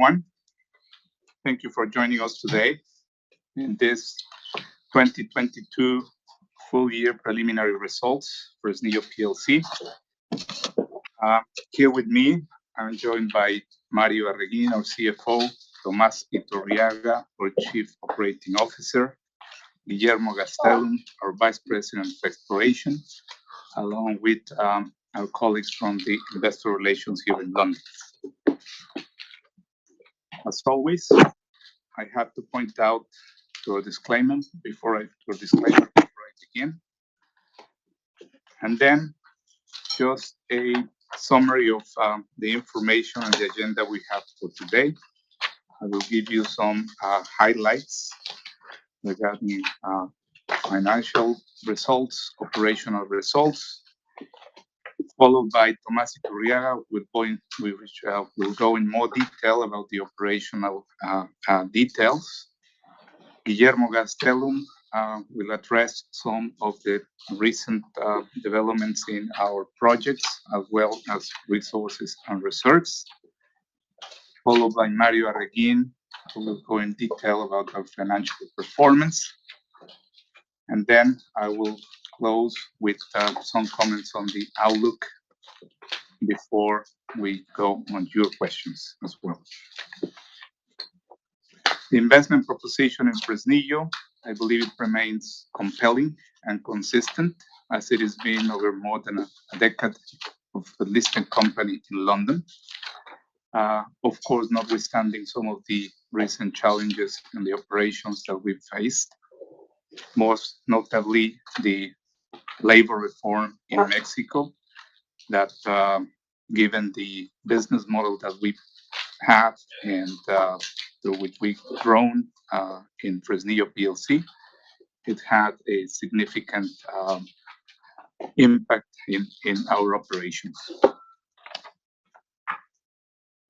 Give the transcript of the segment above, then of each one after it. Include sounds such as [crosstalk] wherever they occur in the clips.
Everyone. Thank you for joining us today in this 2022 Full Year Preliminary Results for Fresnillo PLC. Here with me, I'm joined by Mario Arreguín, our CFO; Tomás Iturriaga, our Chief Operating Officer; Guillermo Gastélum, our Vice President of Exploration, along with our colleagues from the Investor Relations here in London. As always, I have to point out to a disclaimer before I begin. Just a summary of the information on the agenda we have for today. I will give you some highlights regarding financial results, operational results, followed by Tomás Iturriaga, who will go in more detail about the operational details. Guillermo Gastélum will address some of the recent developments in our projects as well as resources and reserves. Followed by Mario Arreguín, who will go in detail about our financial performance. I will close with some comments on the outlook before we go on your questions as well. The investment proposition in Fresnillo, I believe remains compelling and consistent as it has been over more than a decade of the listed company in London. Of course, notwithstanding some of the recent challenges in the operations that we've faced, most notably the labor reform in Mexico that, given the business model that we have and through which we've grown in Fresnillo PLC, it had a significant impact in our operations.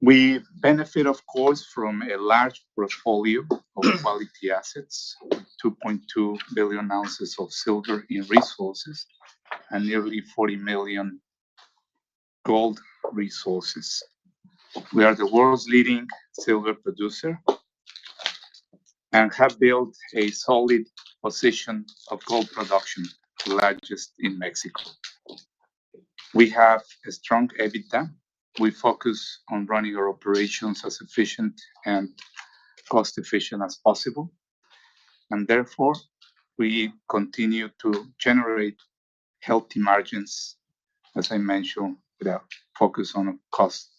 We benefit, of course, from a large portfolio of quality assets, 2.2 billion ounces of silver in resources, and nearly 40 million gold resources. We are the world's leading silver producer and have built a solid position of gold production, largest in Mexico. We have a strong EBITDA. We focus on running our operations as efficient and cost efficient as possible. Therefore, we continue to generate healthy margins, as I mentioned, with our focus on cost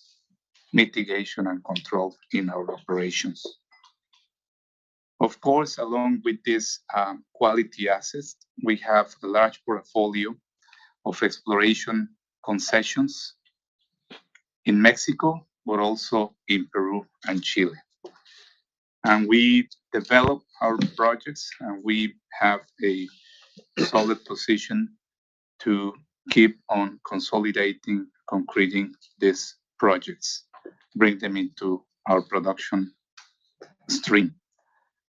mitigation and control in our operations. Of course, along with this, quality assets, we have a large portfolio of exploration concessions in Mexico, but also in Peru and Chile. We develop our projects, and we have a solid position to keep on consolidating, concretizing these projects, bring them into our production stream.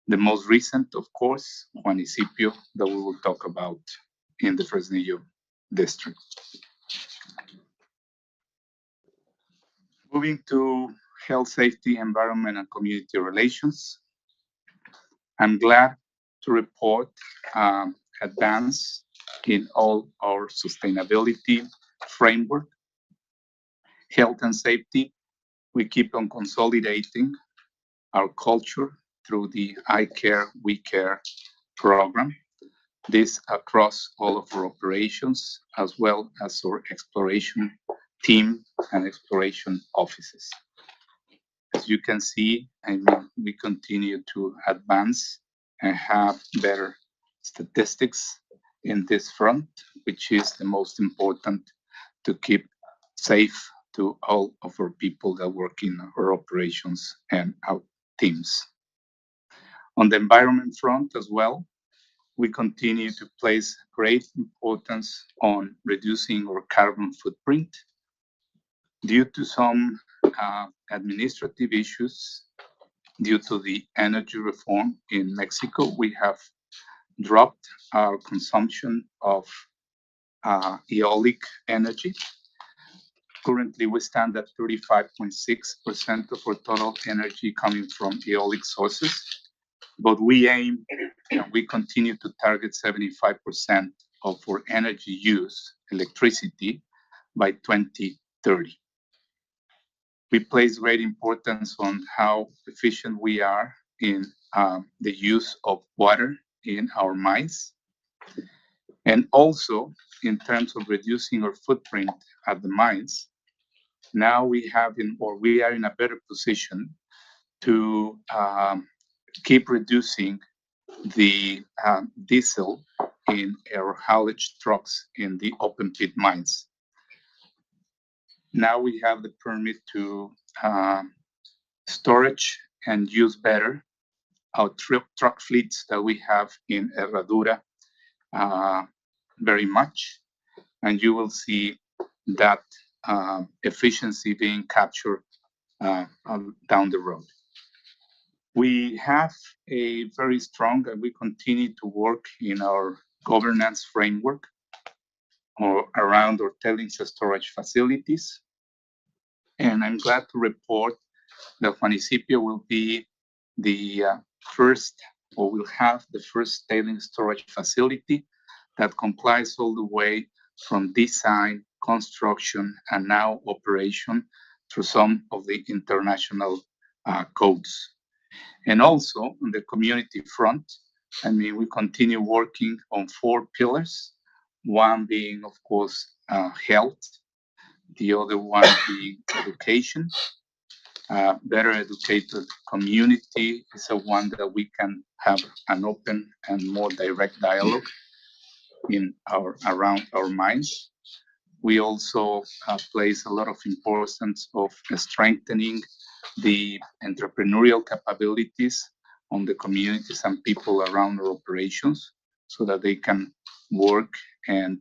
The most recent, of course, Juanicipio, that we will talk about in the Fresnillo district. Moving to health, safety, environment, and community relations, I'm glad to report, advance in all our sustainability framework. Health and safety, we keep on consolidating our culture through the I Care, We Care program. This across all of our operations, as well as our exploration team and exploration offices. As you can see, we continue to advance and have better statistics in this front, which is the most important to keep safe to all of our people that work in our operations and our teams. On the environment front as well, we continue to place great importance on reducing our carbon footprint. Due to some administrative issues due to the energy reform in Mexico, we have dropped our consumption of wind energy. Currently, we stand at 35.6% of our total energy coming from eolic sources. We aim, we continue to target 75% of our energy use, electricity, by 2030. We place great importance on how efficient we are in the use of water in our mines. Also in terms of reducing our footprint at the mines. We are in a better position to keep reducing the diesel in our haulage trucks in the open pit mines. We have the permit to storage and use better our truck fleets that we have in Herradura very much, and you will see that efficiency being captured down the road. We have a very strong, we continue to work in our governance framework around our tailings and storage facilities. I'm glad to report that Juanicipio will have the first tailings storage facility that complies all the way from design, construction, and now operation through some of the international codes. And also, on the community front, I mean, we continue working on four pillars. One being, of course, health. The other one being education. A better-educated community is a one that we can have an open and more direct dialogue around our mines. We also place a lot of importance of strengthening the entrepreneurial capabilities on the communities and people around our operations, so that they can work and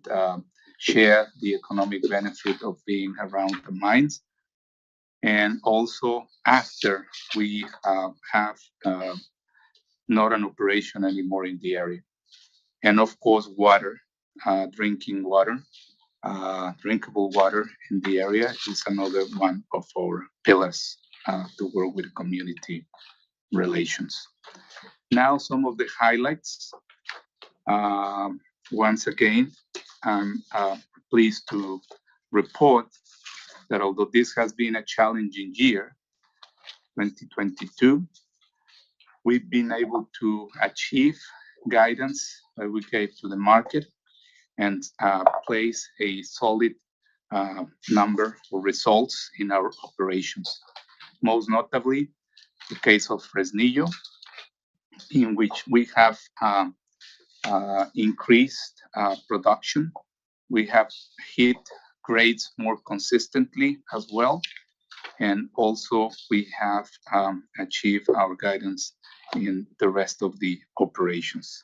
share the economic benefit of being around the mines and also after we have not an operation anymore in the area. Of course, water. Drinking water. Drinkable water in the area is another one of our pillars to work with community relations. Some of the highlights. Once again, I'm pleased to report that although this has been a challenging year, 2022, we've been able to achieve guidance that we gave to the market and place a solid number of results in our operations. Most notably the case of Fresnillo, in which we have increased production. We have hit grades more consistently as well, and also we have achieved our guidance in the rest of the operations.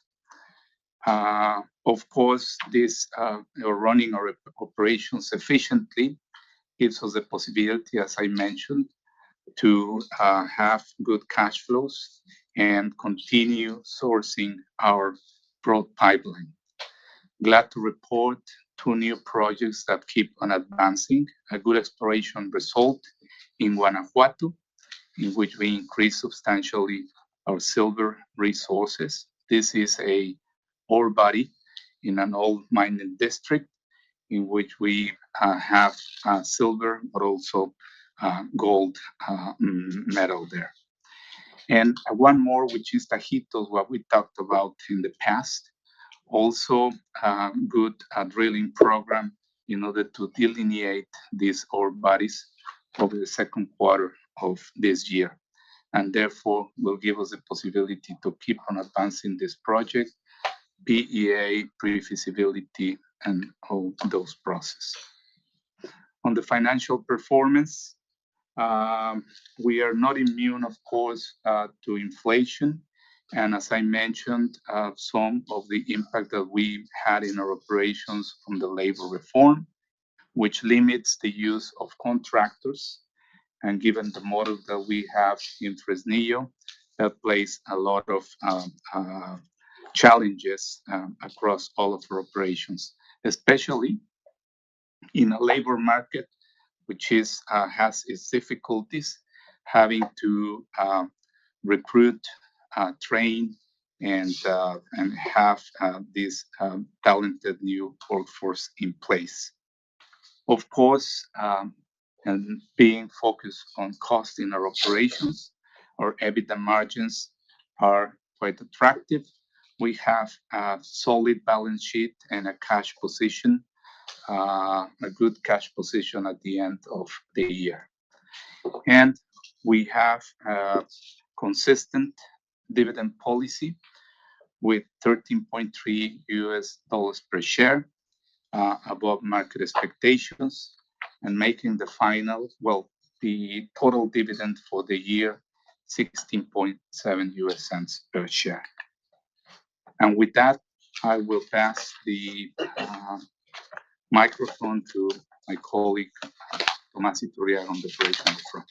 Of course, this running our operations efficiently gives us a possibility, as I mentioned, to have good cash flows and continue sourcing our product pipeline. Glad to report two new projects that keep on advancing. A good exploration result in Guanajuato, in which we increased substantially our silver resources. This is a ore body in an old mining district in which we have silver, but also gold metal there. One more, which is Tajitos, what we talked about in the past. Also, good drilling program in order to delineate these ore bodies for the second quarter of this year. Therefore, will give us a possibility to keep on advancing this project, PEA, pre-feasibility, and all those process. On the financial performance, we are not immune, of course, to inflation and, as I mentioned, some of the impact that we've had in our operations from the labor reform, which limits the use of contractors. And given the model that we have in Fresnillo, that place a lot of challenges across all of our operations, especially in a labor market which is has its difficulties having to recruit, train, and have this talented new workforce in place. Being focused on cost in our operations, our EBITDA margins are quite attractive. We have a solid balance sheet and a cash position, a good cash position at the end of the year. We have a consistent dividend policy with $13.3 per share above market expectations, and making the total dividend for the year $0.167 per share. With that, I will pass the microphone to my colleague, Tomás Iturriaga, on the very front.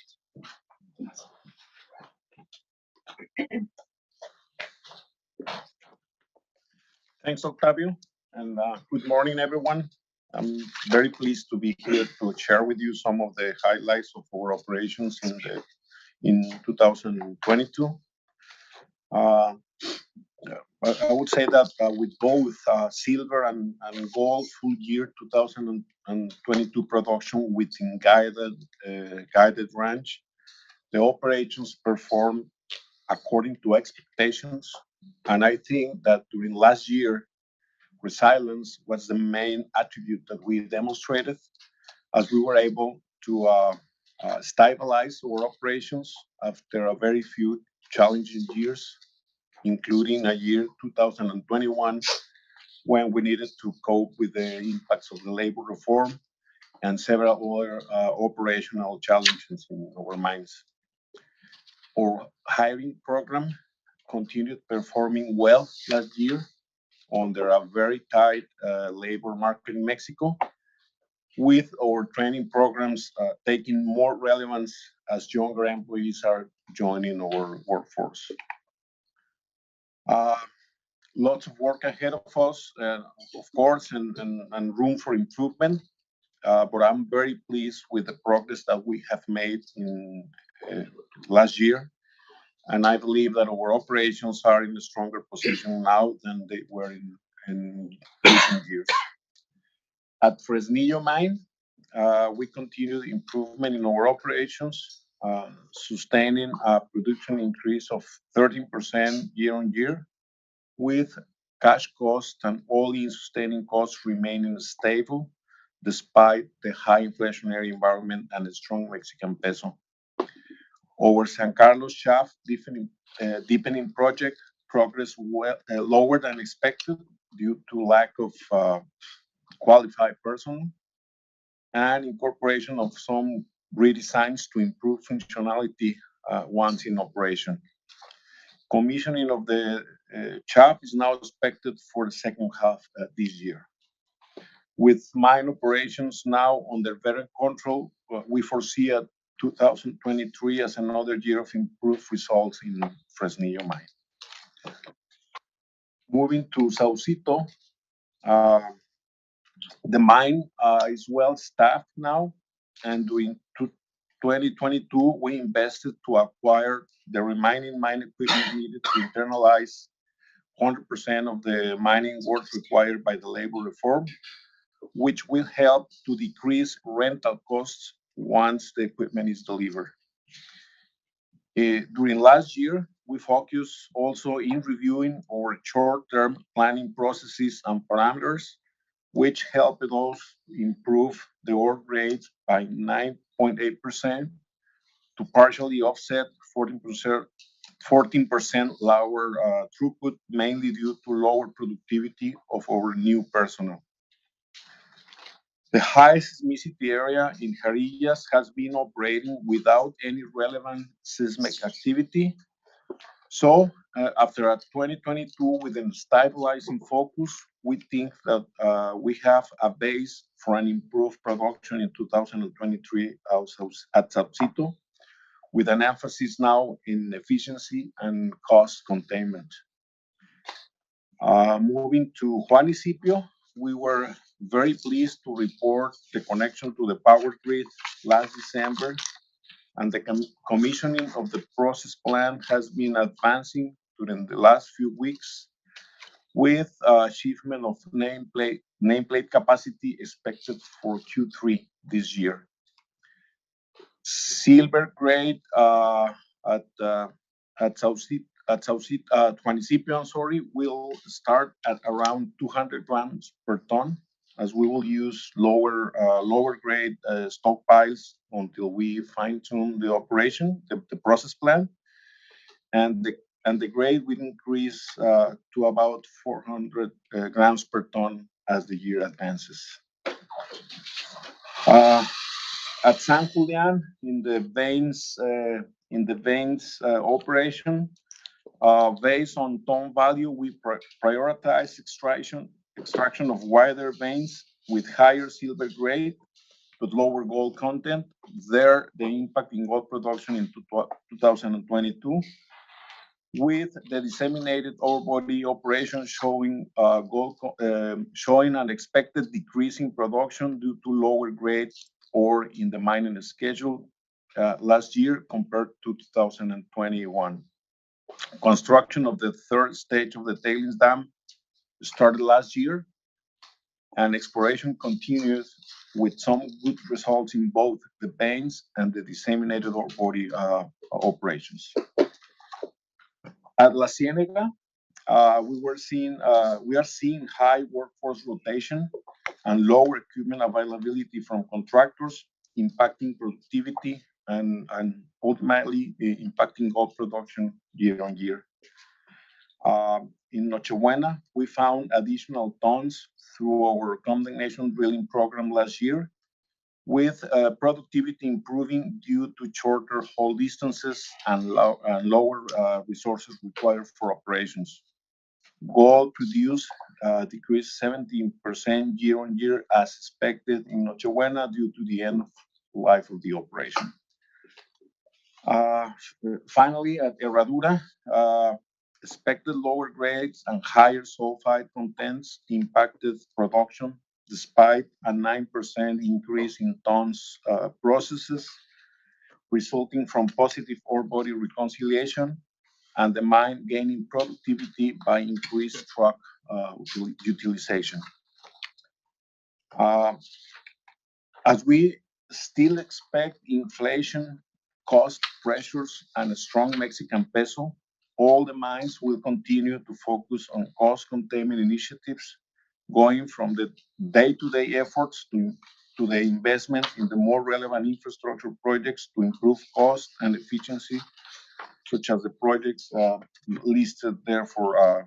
Thanks, Octavio. Good morning, everyone. I'm very pleased to be here to share with you some of the highlights of our operations in 2022. I would say that with both silver and gold full year 2022 production within guided range, the operations performed according to expectations. I think that during last year, resilience was the main attribute that we demonstrated as we were able to stabilize our operations after a very few challenging years, including a year, 2021, when we needed to cope with the impacts of the labor reform and several other operational challenges in our mines. Our hiring program continued performing well last year under a very tight labor market in Mexico. With our training programs taking more relevance as younger employees are joining our workforce. Lots of work ahead of us, and of course, and room for improvement, but I'm very pleased with the progress that we have made in last year, and I believe that our operations are in a stronger position now than they were in recent years. At Fresnillo mine, we continue the improvement in our operations, sustaining a production increase of 13% year-over-year, with cash costs and all-in sustaining costs remaining stable despite the high inflationary environment and the strong Mexican peso. San Carlos Shaft deepening project, progress lower than expected due to lack of qualified person and incorporation of some redesigns to improve functionality once in operation. Commissioning of the shaft is now expected for the second half of this year. With mine operations now under better control, we foresee a 2023 as another year of improved results in Fresnillo mine. Moving to Saucito, the mine is well staffed now, and during 2022, we invested to acquire the remaining mine equipment needed to internalize 100% of the mining work required by the labor reform, which will help to decrease rental costs once the equipment is delivered. During last year, we focused also in reviewing our short-term planning processes and parameters, which helped us improve the ore grade by 9.8% to partially offset 14% lower throughput, mainly due to lower productivity of our new personnel. The high-seismic area in Jarillas has been operating without any relevant seismic activity. After a 2022 with a stabilizing focus, we think that we have a base for an improved production in 2023 also at Saucito, with an emphasis now in efficiency and cost containment. Moving to Juanicipio, we were very pleased to report the connection to the power grid last December, and the commissioning of the process plant has been advancing during the last few weeks, with achievement of nameplate capacity expected for Q3 this year. Silver grade at Juanicipio, sorry, will start at around 200 grams per ton, as we will use lower-grade stockpiles until we fine-tune the operation, the process plant. The grade will increase to about 400 grams per ton as the year advances. At San Julián, in the veins, in the veins operation, based on tone value, we prioritize extraction of wider veins with higher silver grade, but lower gold content there, the impact in gold production in 2022, with the disseminated ore body operation showing unexpected decrease in production due to lower grades ore in the mining schedule, last year compared to 2021. Construction of the third stage of the tailings dam started last year, and exploration continues with some good results in both the veins and the disseminated ore body operations. At La Ciénega, we were seeing, we are seeing high workforce rotation and low equipment availability from contractors impacting productivity and, ultimately, impacting gold production year-on-year. In Noche Buena, we found additional tons through our combination drilling program last year, with productivity improving due to shorter hole distances and lower resources required for operations. Gold produced decreased 17% year-on-year as expected in Noche Buena due to the end of life of the operation. Finally, at Herradura, expected lower grades and higher sulfide contents impacted production despite a 9% increase in tons processes resulting from positive ore body reconciliation and the mine gaining productivity by increased truck utilization. As we still expect inflation, cost pressures, and a strong Mexican peso, all the mines will continue to focus on cost containment initiatives, going from the day-to-day efforts to the investment in the more relevant infrastructure projects to improve cost and efficiency, such as the projects listed there for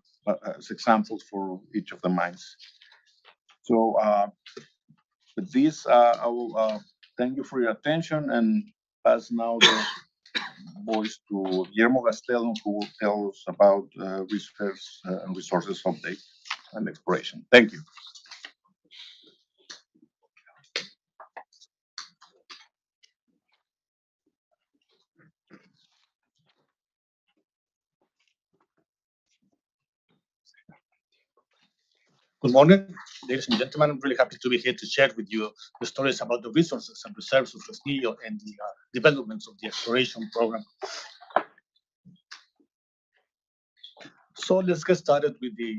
as examples for each of the mines. With this, I will thank you for your attention and pass now. Voice to Guillermo Gastélum, who will tell us about reserves and resources update and exploration. Thank you. Good morning, ladies and gentlemen. I'm really happy to be here to share with you the stories about the resources and reserves of Fresnillo and the developments of the exploration program. Let's get started with the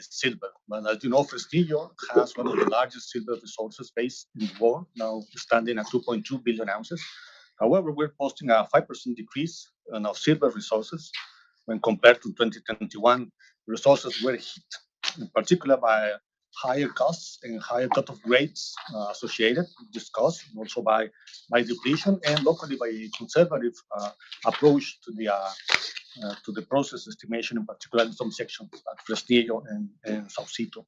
silver. As you know, Fresnillo has one of the largest silver resources base in the world, now standing at 2.2 billion ounces. However, we're posting a 5% decrease in our silver resources when compared to 2021. Resources were hit, in particular by higher costs and higher cut-off grades associated with discussed, and also by depletion and locally by a conservative approach to the process estimation, in particular in some sections at Fresnillo and Saucito.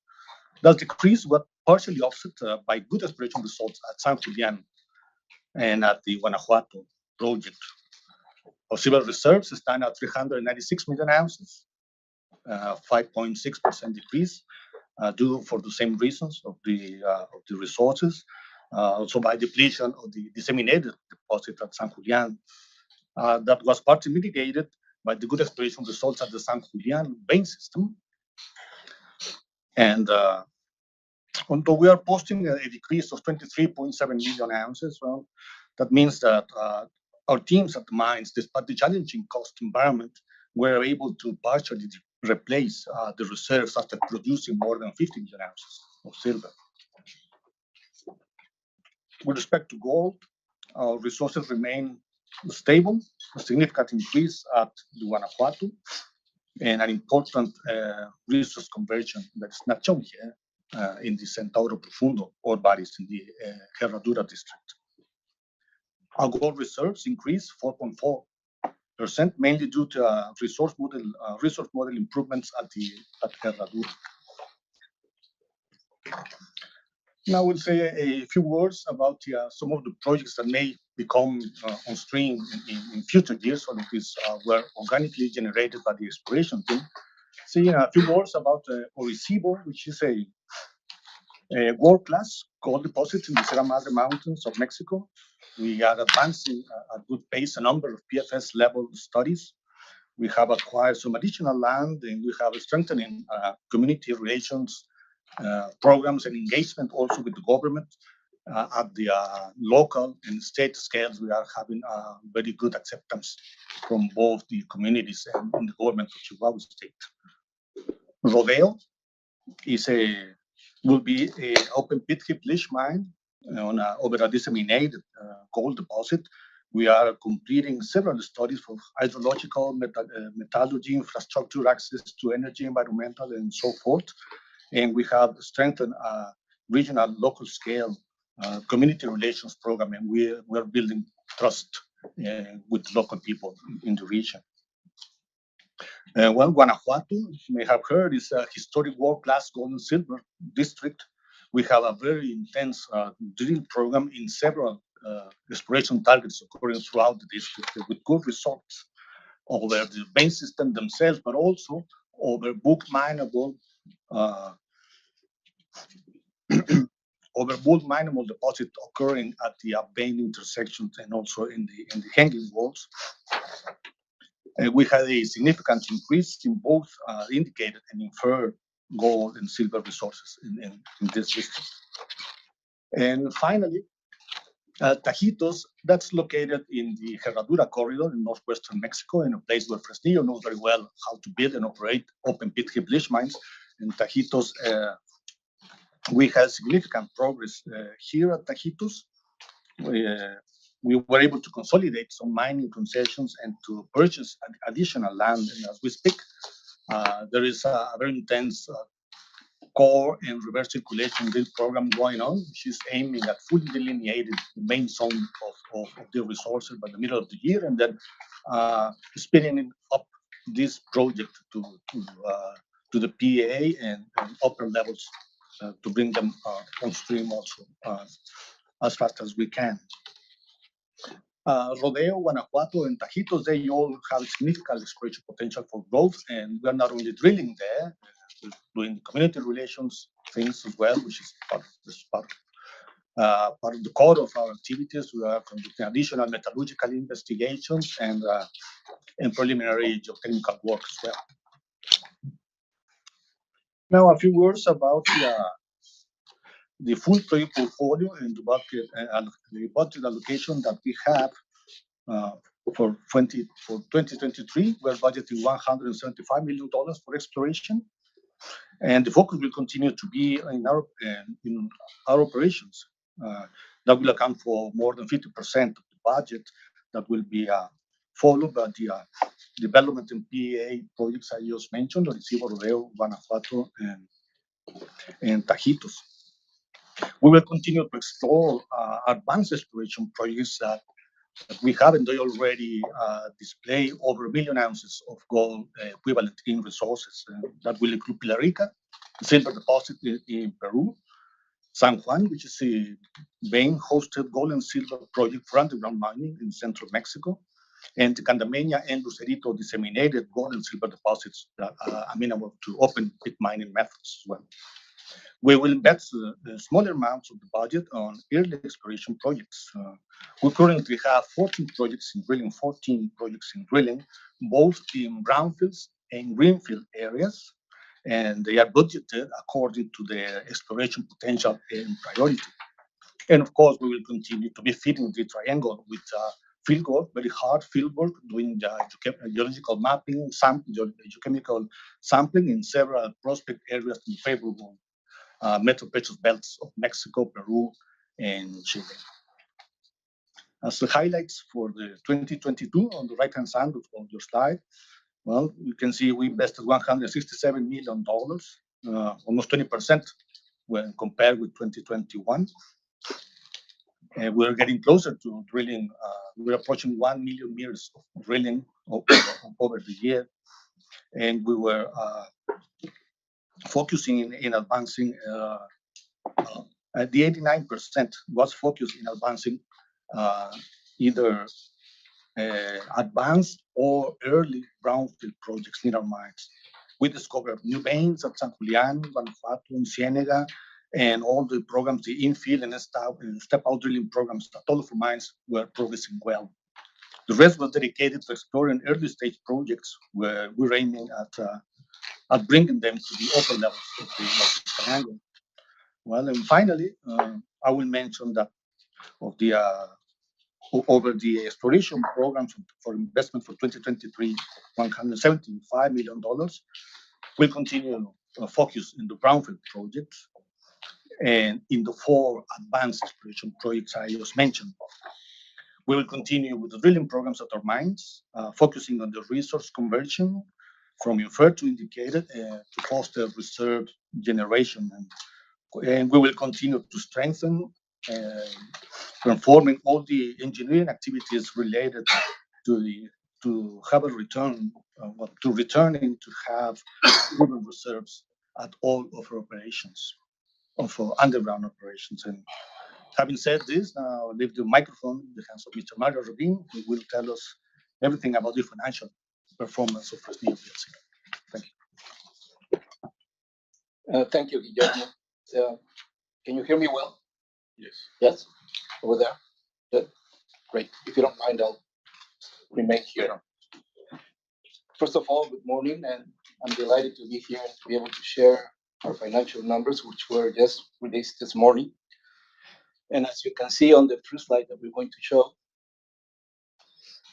That decrease was partially offset by good exploration results at San Julián and at the Guanajuato project. Our silver reserves stand at 396 million ounces, 5.6% decrease, due for the same reasons of the resources. Also by depletion of the disseminated deposit at San Julián. That was partly mitigated by the good exploration results at the San Julián vein system. Although we are posting a decrease of 23.7 million ounces, well, that means that our teams at the mines, despite the challenging cost environment, were able to partially replace the reserves after producing more than 15 million ounces of silver. With respect to gold, our resources remain stable. A significant increase at the Guanajuato and an important resource conversion at Snatchokya, in the Centauro Profundo ore bodies in the Herradura district. Our gold reserves increased 4.4%, mainly due to resource model improvements at Herradura. I will say a few words about some of the projects that may become onstream in future years, some of which were organically generated by the exploration team. Say a few words about Orisyvo, which is a world-class gold deposit in the Sierra Madre mountains of Mexico. We are advancing at a good pace a number of PFS-level studies. We have acquired some additional land, and we have strengthening community relations programs and engagement also with the government. At the local and state scales, we are having very good acceptance from both the communities and the government of Chihuahua State. Rodeo is a... Will be a open pit heap leach mine on a disseminated gold deposit. We are completing several studies for hydrological, metallurgy, infrastructure, access to energy, environmental and so forth. We have strengthened our regional local scale community relations program. We are building trust with local people in the region. Guanajuato, you may have heard, is a historic world-class gold and silver district. We have a very intense drilling program in several exploration targets occurring throughout the district with good results over the vein system themselves, also over bulk-mineable deposit occurring at the vein intersections and in the hanging walls. We had a significant increase in both indicated and inferred gold and silver resources in this district. Finally, Tajitos, that's located in the Herradura corridor in northwestern Mexico, in a place where Fresnillo knows very well how to build and operate open pit heap leach mines. In Tajitos, we had significant progress here at Tajitos. We were able to consolidate some mining concessions and to purchase additional land. As we speak, there is a very intense core and reverse circulation drill program going on, which is aiming at fully delineating the main zone of the resources by the middle of the year, spinning up this project to the PEA and upper levels to bring them onstream also as fast as we can. Rodeo, Guanajuato and Tajitos, they all have significant exploration potential for gold. We are not only drilling there, we're doing the community relations things as well, which is part of the core of our activities. We are conducting additional metallurgical investigations and preliminary geotechnical work as well. Now, a few words about the full pipe portfolio and the budget allocation that we have for 2023. We are budgeting $175 million for exploration. The focus will continue to be in our operations. That will account for more than 50% of the budget that will be followed by the development and PEA projects I just mentioned, Orisyvo, Rodeo, Guanajuato and Tajitos. We will continue to explore advanced exploration projects that we have and they already display over 1 million ounces of gold equivalent in resources that will include Pilarica, a silver deposit in Peru. San Juan, which is the vein-hosted gold and silver project front underground mining in central Mexico, and Candameña and Lucerito disseminated gold and silver deposits that are amenable to open-pit mining methods as well. We will invest the smaller amounts of the budget on early exploration projects. We currently have 14 projects in drilling, both in brownfields and greenfield areas, and they are budgeted according to their exploration potential and priority. Of course, we will continue to be feeding the triangle with field work, very hard field work, doing geological mapping, geochemical sampling in several prospect areas in favorable metal petrol belts of Mexico, Peru, and Chile. As the highlights for 2022 on the right-hand side of your slide, you can see we invested $167 million, almost 20% when compared with 2021. We're getting closer to drilling. We're approaching 1 million meters of drilling over the year. The 89% was focused in advancing either advanced or early brownfield projects near our mines. We discovered new veins at San Julián, Bonanza, and Ciénega. All the programs, the infill and the step-out drilling programs at all of our mines were progressing well. The rest were dedicated to exploring early-stage projects where we're aiming at bringing them to the open levels of the triangle. Finally, I will mention that over the exploration programs for investment for 2023, $175 million. We continue to focus in the brownfield projects and in the four advanced exploration projects I just mentioned. We will continue with the drilling programs at our mines, focusing on the resource conversion from inferred to indicated, to foster reserved generation. We will continue to strengthen, performing all the engineering activities related to returning to have proven reserves at all of our operations or for underground operations. Having said this, now I leave the microphone in the hands of Mr. Mario Arreguín, who will tell us everything about the financial performance of Fresnillo plc. Thank you. Thank you, Guillermo. Can you hear me well? Yes. Yes? Over there? Good. Great. If you don't mind, I'll remake here. First of all, good morning. I'm delighted to be here to be able to share our financial numbers, which were just released this morning. As you can see on the first slide that we're going to show,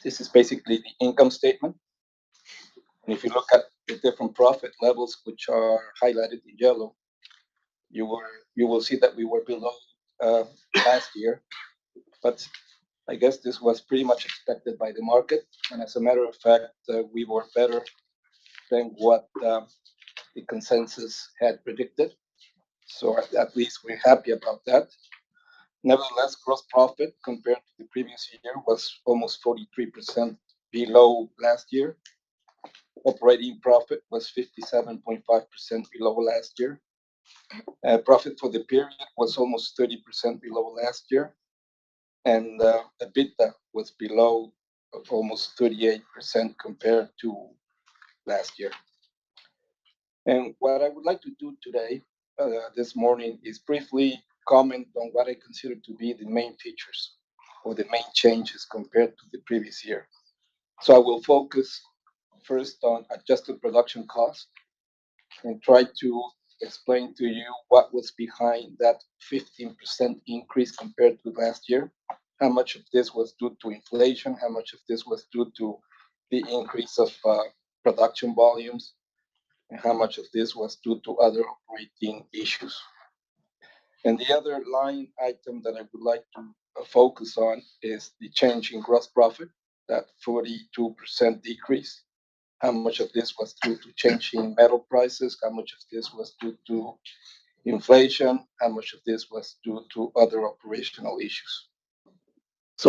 this is basically the income statement. If you look at the different profit levels which are highlighted in yellow, you will see that we were below last year. I guess this was pretty much expected by the market. As a matter of fact, we were better than what the consensus had predicted. At least we're happy about that. Nevertheless, gross profit compared to the previous year was almost 43% below last year. operating profit was 57.5% below last year. Profit for the period was almost 30% below last year. The EBITDA was below of almost 38% compared to last year. What I would like to do today, this morning, is briefly comment on what I consider to be the main features or the main changes compared to the previous year. I will focus first on adjusted production costs and try to explain to you what was behind that 15% increase compared to last year, how much of this was due to inflation, how much of this was due to the increase of production volumes, and how much of this was due to other operating issues. The other line item that I would like to focus on is the change in gross profit, that 42% decrease, how much of this was due to change in metal prices, how much of this was due to inflation, how much of this was due to other operational issues.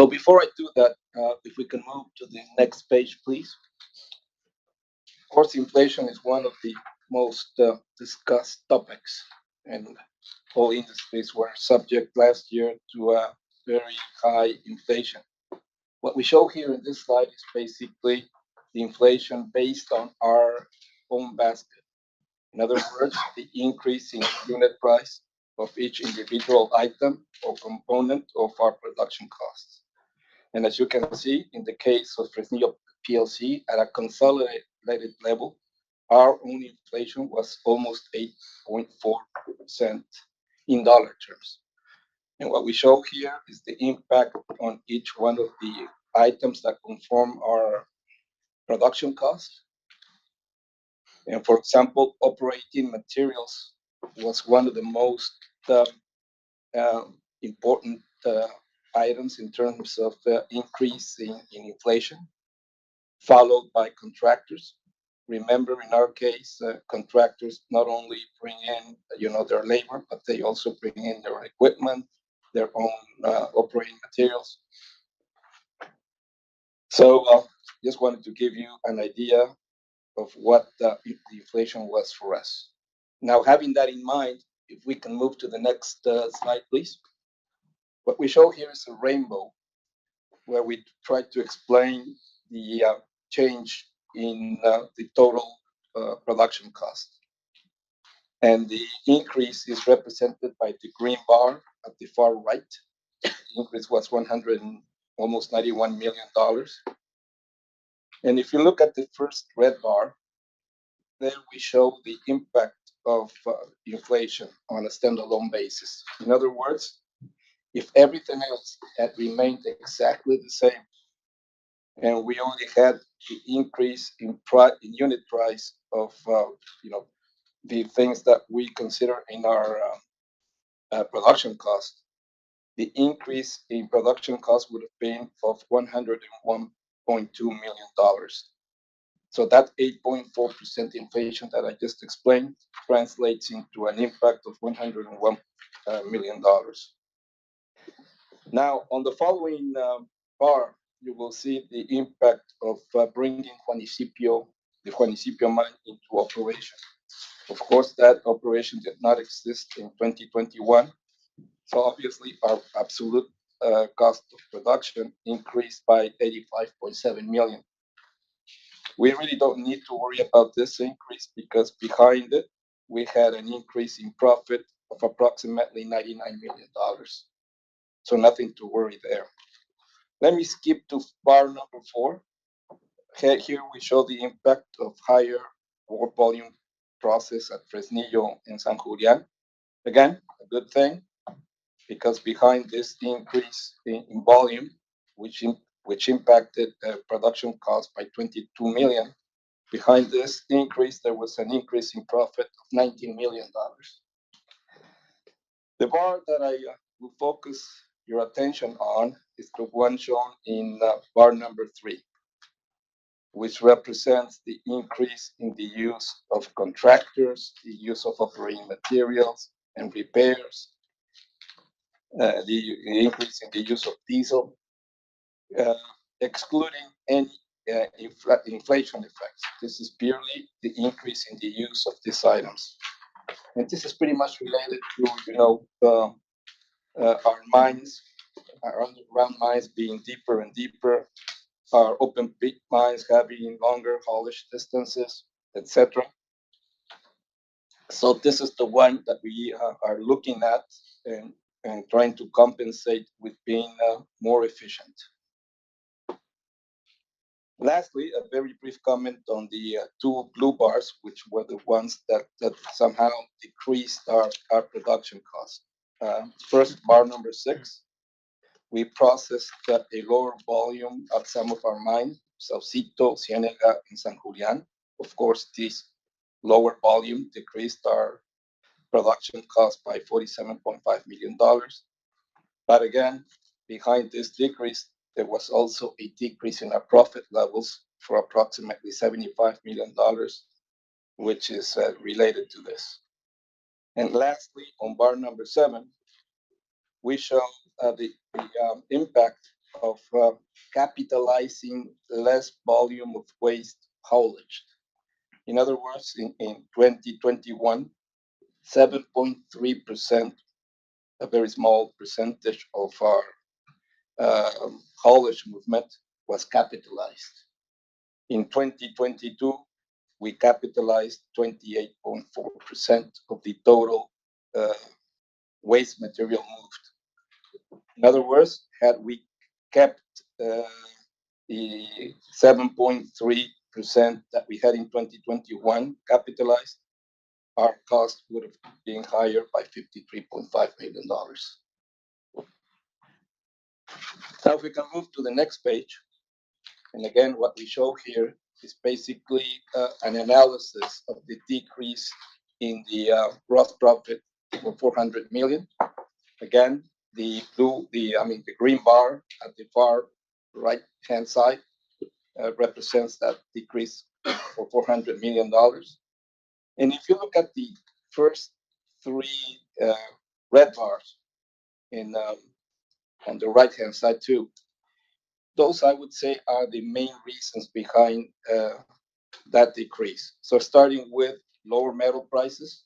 Before I do that, if we can move to the next page, please. Of course, inflation is one of the most discussed topics, and all industries were subject last year to a very high inflation. What we show here in this slide is basically the inflation based on our own basket. In other words, the increase in unit price of each individual item or component of our production costs. As you can see, in the case of Fresnillo PLC, at a consolidated level, our own inflation was almost 8.4% in dollar terms. What we show here is the impact on each one of the items that conform our production costs. For example, operating materials was one of the most important items in terms of increase in inflation, followed by contractors. Remember, in our case, contractors not only bring in, you know, their labor, but they also bring in their own equipment, their own operating materials. Just wanted to give you an idea of what the inflation was for us. Now, having that in mind, if we can move to the next slide, please. What we show here is a rainbow where we try to explain the change in the total production cost. The increase is represented by the green bar at the far right. Increase was $191 million. If you look at the first red bar, there we show the impact of inflation on a standalone basis. In other words, if everything else had remained exactly the same, and we only had the increase in unit price of, you know, the things that we consider in our production cost, the increase in production cost would have been of $101.2 million. That 8.4% inflation that I just explained translates into an impact of $101 million. Now on the following bar, you will see the impact of bringing Juanicipio, the Juanicipio mine into operation. Of course, that operation did not exist in 2021, so obviously our absolute cost of production increased by $85.7 million. We really don't need to worry about this increase because behind it, we had an increase in profit of approximately $99 million. Nothing to worry there. Let me skip to bar number four. Here we show the impact of higher ore volume processed at Fresnillo and San Julián. Again, a good thing, because behind this increase in volume, which impacted production cost by $22 million, behind this increase there was an increase in profit of $90 million. The bar that I will focus your attention on is the one shown in bar number three, which represents the increase in the use of contractors, the use of operating materials and repairs, the increase in the use of diesel, excluding any inflation effects. This is purely the increase in the use of these items. This is pretty much related to, you know, our mines, our underground mines being deeper and deeper, our open pit mines having longer haulage distances, et cetera. This is the one that we are looking at and trying to compensate with being more efficient. Lastly, a very brief comment on the two blue bars, which were the ones that somehow decreased our production cost. First, bar number six, we processed at a lower volume at some of our mines, Saucito, Ciénega, and San Julián. Of course, this lower volume decreased our production cost by $47.5 million. Again, behind this decrease, there was also a decrease in our profit levels for approximately $75 million, which is related to this. Lastly, on bar number seven, we show the impact of capitalizing less volume of waste haulaged. In other words, in 2021, 7.3%, a very small percentage of our haulage movement was capitalized. In 2022, we capitalized 28.4% of the total waste material moved. In other words, had we kept the 7.3% that we had in 2021 capitalized, our cost would have been higher by $53.5 million. If we can move to the next page. Again, what we show here is basically an analysis of the decrease in the gross profit of $400 million. Again, the blue, the green bar at the far right-hand side represents that decrease for $400 million. If you look at the first three red bars on the right-hand side too, those I would say are the main reasons behind that decrease. Starting with lower metal prices,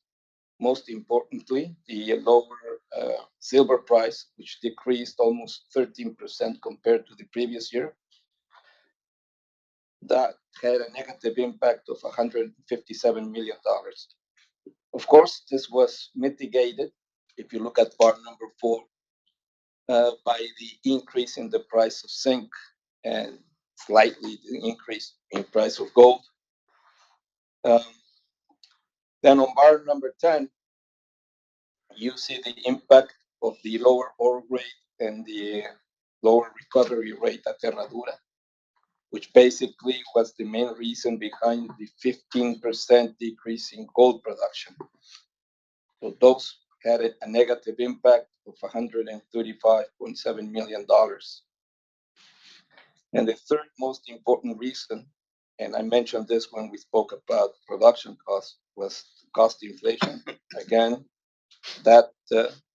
most importantly, the lower silver price, which decreased almost 13% compared to the previous year. That had a negative impact of $157 million. This was mitigated, if you look at bar number four, by the increase in the price of zinc and slightly the increase in price of gold. On bar number 10, you see the impact of the lower ore grade and the lower recovery rate at Herradura, which basically was the main reason behind the 15% decrease in gold production. Those had a negative impact of $135.7 million. The third most important reason, and I mentioned this when we spoke about production cost, was cost inflation,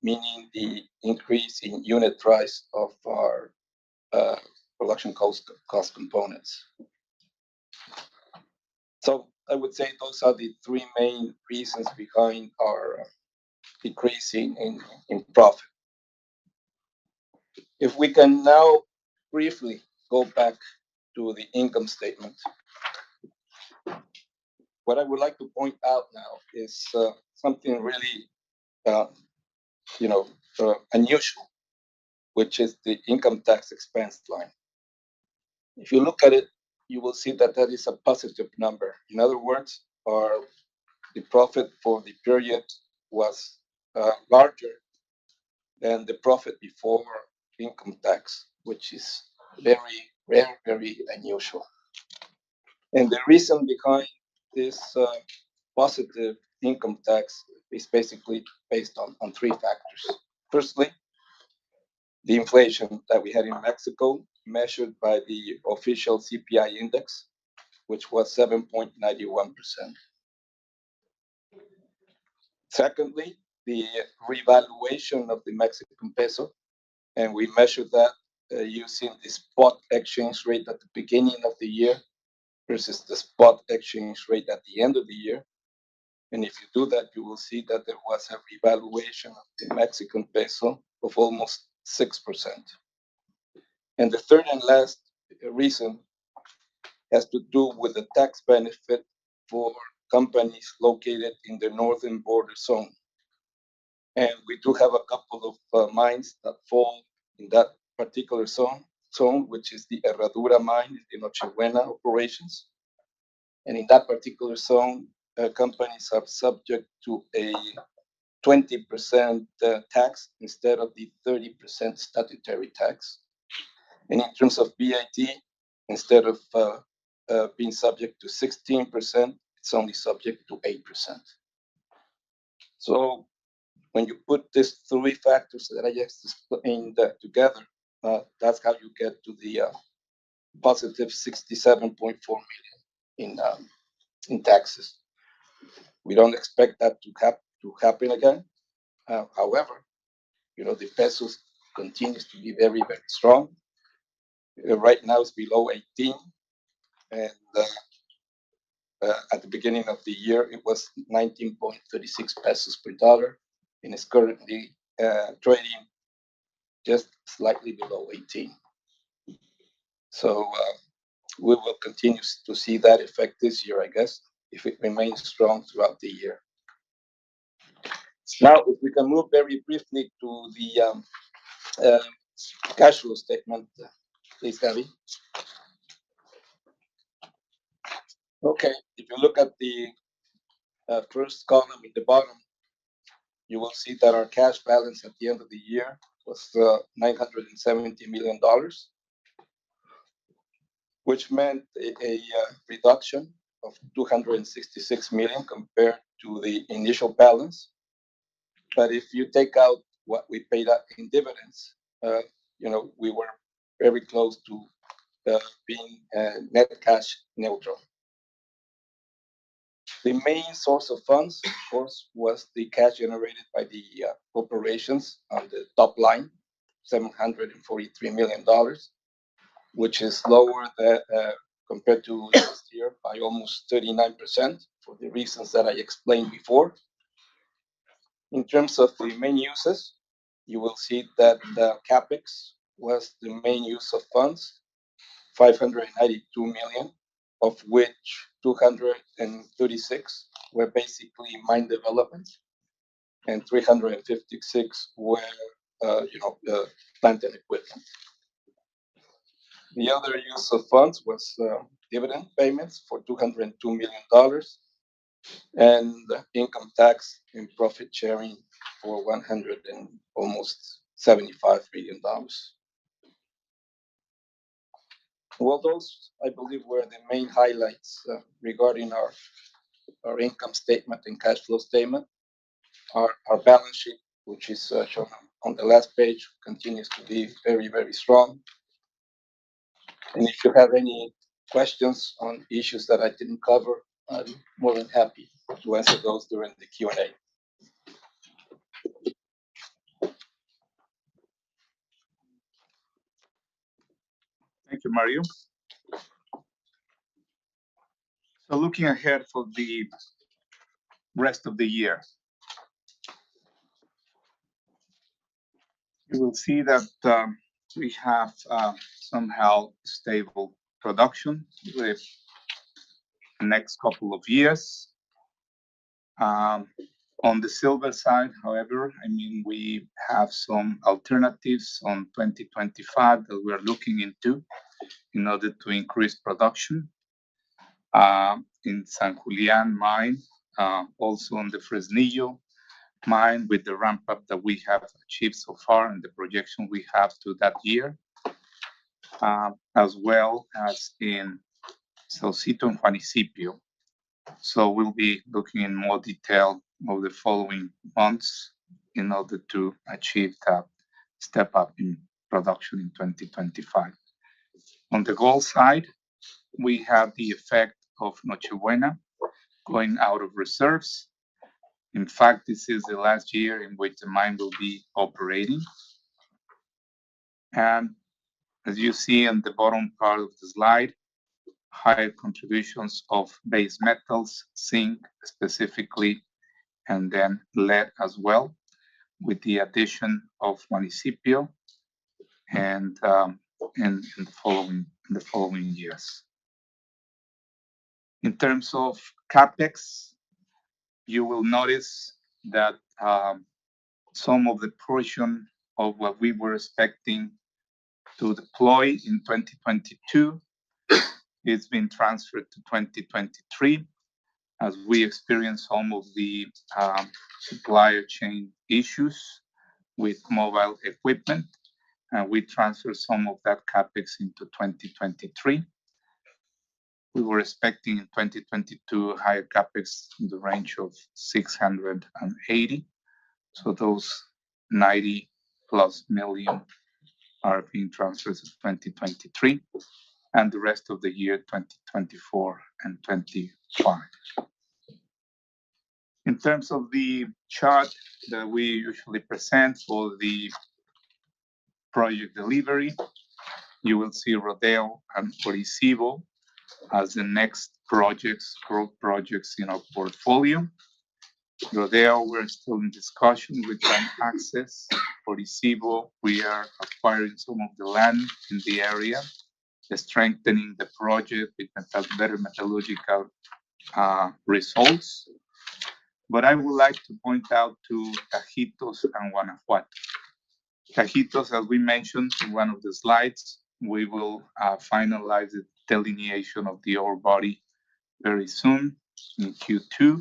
meaning the increase in unit price of our production cost components. I would say those are the three main reasons behind our decreasing in profit. If we can now briefly go back to the income statement. What I would like to point out now is, you know, something really unusual, which is the income tax expense line. If you look at it, you will see that that is a positive number. In other words, the profit for the period was larger than the profit before income tax, which is very rare, very unusual. The reason behind this positive income tax is basically based on three factors. Firstly, the inflation that we had in Mexico, measured by the official CPI index, which was 7.91%. Secondly, the revaluation of the Mexican peso, and we measured that using the spot exchange rate at the beginning of the year versus the spot exchange rate at the end of the year. If you do that, you will see that there was a revaluation of the Mexican peso of almost 6%. The third and last reason has to do with the tax benefit for companies located in the northern border zone. We do have a couple of mines that fall in that particular zone, which is the Herradura mine in Noche Buena operations. In that particular zone, companies are subject to a 20% tax instead of the 30% statutory tax. In terms of VAT, instead of being subject to 16%, it's only subject to 8%. When you put these three factors that I just explained together, that's how you get to the positive $67.4 million in taxes. We don't expect that to happen again. However, you know, the peso continues to be very, very strong. Right now, it's below 18. At the beginning of the year, it was 19.36 pesos per dollar, and it's currently trading just slightly below 18. We will continue to see that effect this year, I guess, if it remains strong throughout the year. If we can move very briefly to the cash flow statement, please, Gabi. Okay. If you look at the first column at the bottom, you will see that our cash balance at the end of the year was $970 million, which meant a reduction of $266 million compared to the initial balance. If you take out what we paid out in dividends, you know, we were very close to being net cash neutral. The main source of funds, of course, was the cash generated by the operations on the top line, $743 million, which is lower than compared to last year by almost 39% for the reasons that I explained before. In terms of the main uses, you will see that CapEx was the main use of funds, $582 million, of which $236 million were basically mine developments, and $356 million were, you know, plant and equipment. The other use of funds was dividend payments for $202 million, and income tax and profit sharing for almost $175 million. Well, those, I believe, were the main highlights regarding our income statement and cash flow statement. Our balance sheet, which is shown on the last page, continues to be very, very strong. If you have any questions on issues that I didn't cover, I'm more than happy to answer those during the Q&A. Thank you, Mario. Looking ahead for the rest of the year. You will see that we have somehow stable production with the next couple of years. On the silver side, however, I mean, we have some alternatives on 2025 that we are looking into in order to increase production in San Julián mine, also on the Fresnillo mine with the ramp-up that we have achieved so far and the projection we have to that year, as well as in Saucito and Juanicipio. We'll be looking in more detail over the following months in order to achieve that. Step up in production in 2025. On the gold side, we have the effect of Machihueña going out of reserves. In fact, this is the last year in which the mine will be operating. As you see on the bottom part of the slide, higher contributions of base metals, zinc specifically, and then lead as well, with the addition of Juanicipio in the following years. In terms of CapEx, you will notice that some of the portion of what we were expecting to deploy in 2022 has been transferred to 2023, as we experience some of the supply chain issues with mobile equipment. We transfer some of that CapEx into 2023. We were expecting in 2022 higher CapEx in the range of $680. Those $90+ million are being transferred to 2023 and the rest of the year 2024 and 2025. In terms of the chart that we usually present for the project delivery, you will see Rodeo as the next projects, growth projects in our portfolio. Rodeo, we're still in discussion with bank access. Rodeo, we are acquiring some of the land in the area. We're strengthening the project with some better metallurgical results. I would like to point out to Tajitos and Guanajuato. Tajitos, as we mentioned in one of the slides, we will finalize the delineation of the ore body very soon in Q2.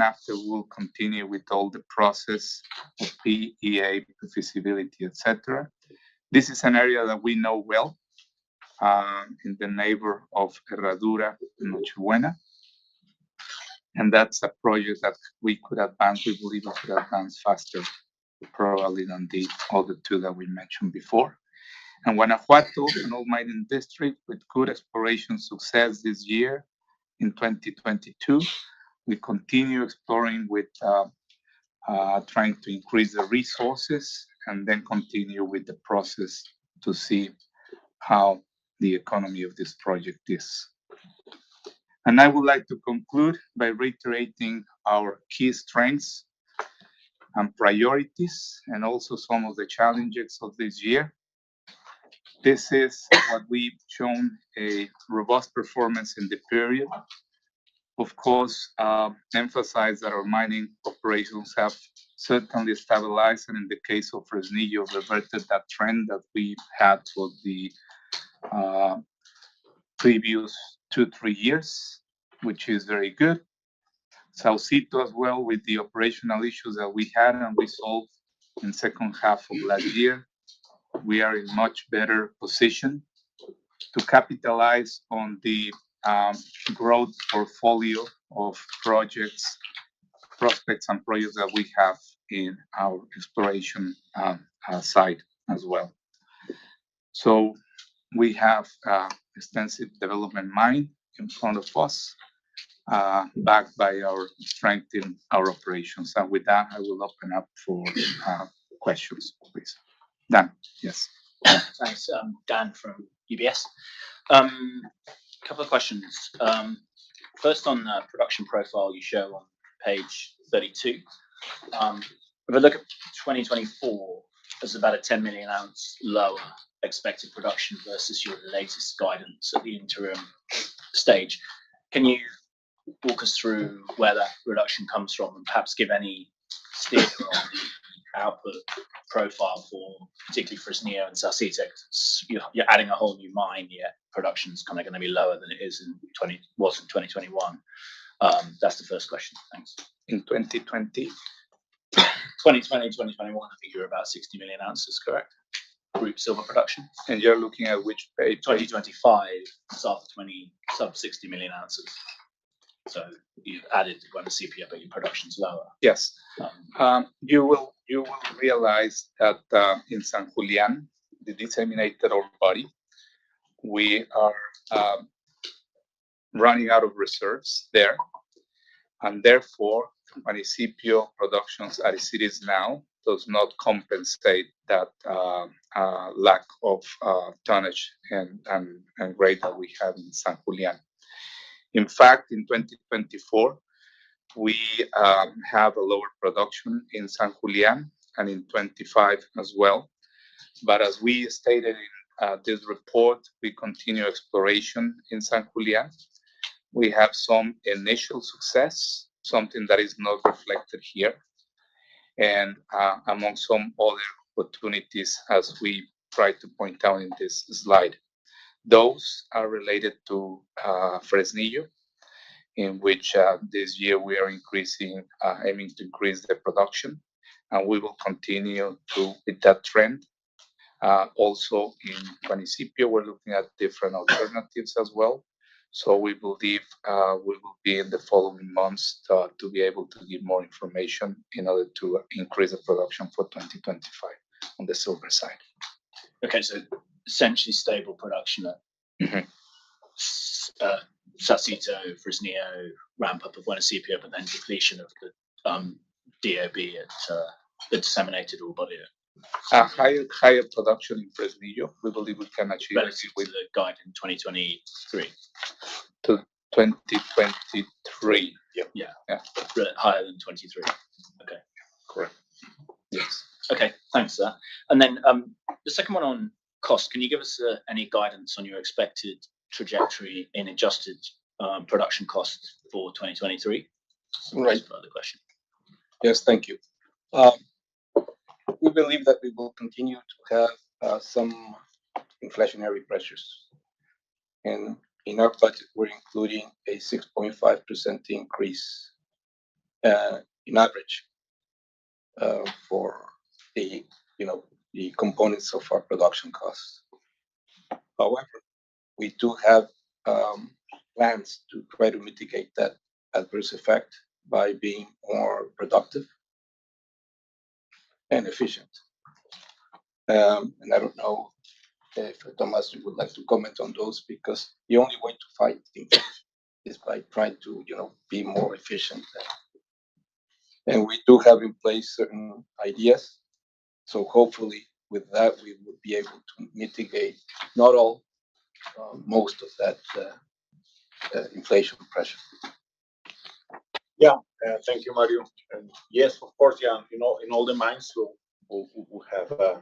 After, we'll continue with all the process of PEA, pre-feasibility, et cetera. This is an area that we know well, in the neighbor of Herradura in Machihueña. That's a project that we could advance, we believe that could advance faster probably than the other two that we mentioned before. Guanajuato is an old mining district with good exploration success this year in 2022. We continue exploring with trying to increase the resources and then continue with the process to see how the economy of this project is. I would like to conclude by reiterating our key strengths and priorities, and also some of the challenges of this year. This is what we've shown a robust performance in the period. Of course, emphasize that our mining operations have certainly stabilized, and in the case of Fresnillo, reverted that trend that we've had for the previous two, three years, which is very good. Saucito as well with the operational issues that we had and resolved in second half of last year. We are in much better position to capitalize on the growth portfolio of projects, prospects and projects that we have in our exploration side as well. We have extensive development mine in front of us, backed by our strength in our operations. With that, I will open up for questions, please. Dan. Yes. Thanks. I'm Dan from UBS. Couple of questions. First on the production profile you show on page 32. If I look at 2024, there's about a 10 million ounce lower expected production versus your latest guidance at the interim stage. Can you walk us through where that reduction comes from, and perhaps give any steer on the output profile for particularly Fresnillo and Saucito? Because you're adding a whole new mine, yet production's kinda gonna be lower than it is in 2021. That's the first question. Thanks. In 2020? 2020, 2021, I think you're about 60 million ounces, correct? Group silver production. You're looking at which page? 2025, sub 60 million ounces. You've added Juanicipio, your production's lower. Yes. You will realize that in San Julián, the disseminated ore body, we are running out of reserves there. Therefore, Municipio production as it is now does not compensate that lack of tonnage and grade that we have in San Julián. In fact, in 2024, we have a lower production in San Julián, and in 25 as well. As we stated in this report, we continue exploration in San Julián. We have some initial success, something that is not reflected here, amongst some other opportunities as we try to point out in this slide. Those are related to Fresnillo, in which this year we are increasing, aiming to increase the production. We will continue to with that trend. Also in Guanaceví we're looking at different alternatives as well. We believe we will be in the following months start to be able to give more information in order to increase the production for 2025 on the silver side. Okay. Essentially stable production of Saucito, Fresnillo, ramp up of Guanaceví, but then depletion of the DOB at the disseminated Albardón. A higher production in Fresnillo. We believe we can actually. Better than the guide in 2023? To 2023. Yep. Yeah. higher than 2023. Okay. Correct. Yes. Okay. Thanks for that. The second one on cost, can you give us any guidance on your expected trajectory in adjusted production costs for 2023? Right. As further question. Yes. Thank you. We believe that we will continue to have some inflationary pressures. In our budget, we're including a 6.5% increase in average for the, you know, the components of our production costs. However, we do have plans to try to mitigate that adverse effect by being more productive and efficient. I don't know if, Tomás, you would like to comment on those, because the only way to fight inflation is by trying to, you know, be more efficient. We do have in place certain ideas. Hopefully with that we will be able to mitigate, not all, most of that inflation pressure. Yeah. Thank you, Mario. Yes, of course, in all the mines, we have a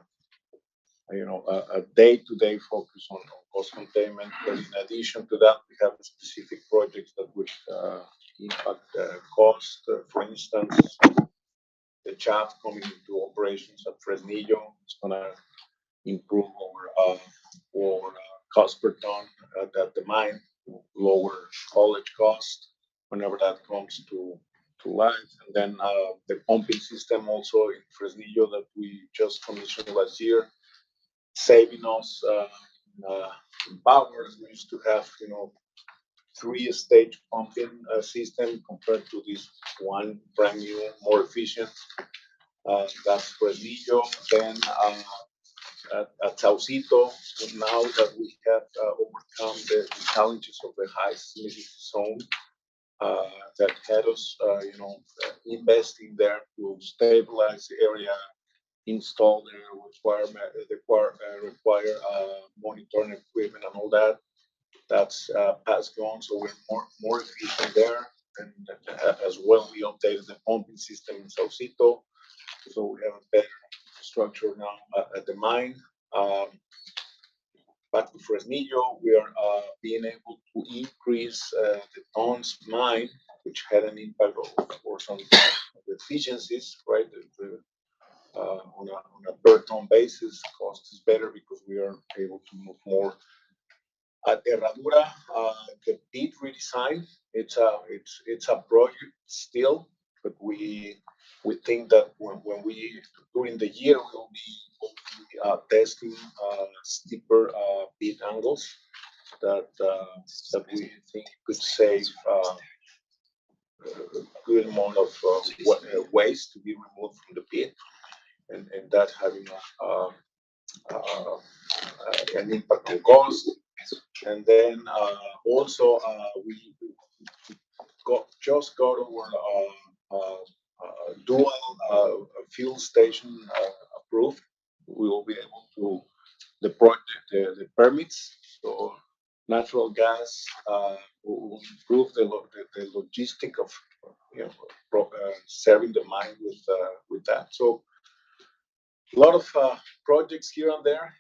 day-to-day focus on cost containment. In addition to that, we have specific projects that which impact the cost. For instance, the shaft coming into operations at Fresnillo. It's gonna improve our cost per ton at the mine, will lower haulage cost whenever that comes to light. The pumping system also in Fresnillo that we just commissioned last year, saving us powers. We used to have three estate pumping system compared to this one brand-new, more efficient. That's Fresnillo. At Saucito, now that we have overcome the challenges of the high-seismic area, that had us, you know, invest in there to stabilize the area, install the requirement, require monitoring equipment and all that. That's has gone, so we're more efficient there. As well, we updated the pumping system in Saucito, so we have a better structure now at the mine. Back to Fresnillo, we are being able to increase the tons mined, which had an impact of course on the efficiencies, right? The on a per ton basis, cost is better because we are able to move more. At Herradura, the pit redesign, it's a project still, but we think that when we, during the year we'll be, we are testing steeper pit angles that we think could save a good amount of waste to be removed from the pit and that having an impact to cost. Then, also, we got, just got our dual fuel station approved. We will be able to deploy the permits. Natural gas will improve the logistic of, you know, serving the mine with that. A lot of projects here and there.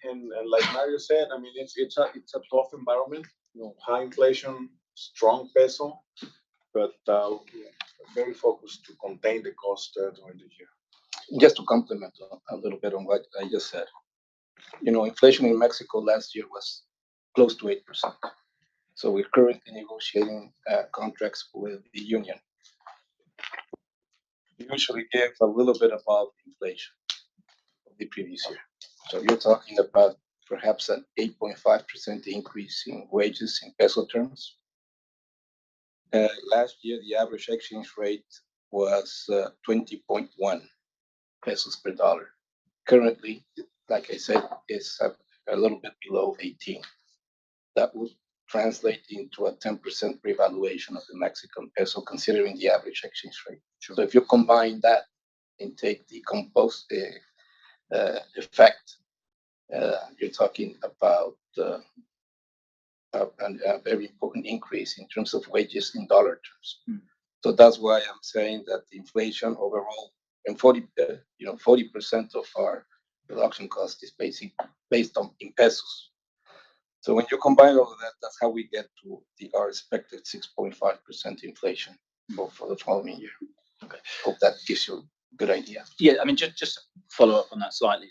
Like Mario said, I mean, it's a tough environment. You know, high inflation, strong peso, but very focused to contain the cost during the year. Just to complement a little bit on what I just said. You know, inflation in Mexico last year was close to 8%. We're currently negotiating contracts with the union. Usually gives a little bit above inflation of the previous year. You're talking about perhaps an 8.5% increase in wages in MXN terms. Last year, the average exchange rate was 20.1 pesos per dollar. Currently, like I said, it's a little bit below 18. That will translate into a 10% revaluation of the Mexican peso, considering the average exchange rate. Sure. If you combine that and take the composed effect, you're talking about a very important increase in terms of wages in dollar terms. That's why I'm saying that inflation overall and 40, you know, 40% of our production cost is based on in pesos. When you combine all of that's how we get to our expected 6.5% inflation for the following year. Okay. Hope that gives you a good idea. Yeah. I mean, just follow up on that slightly.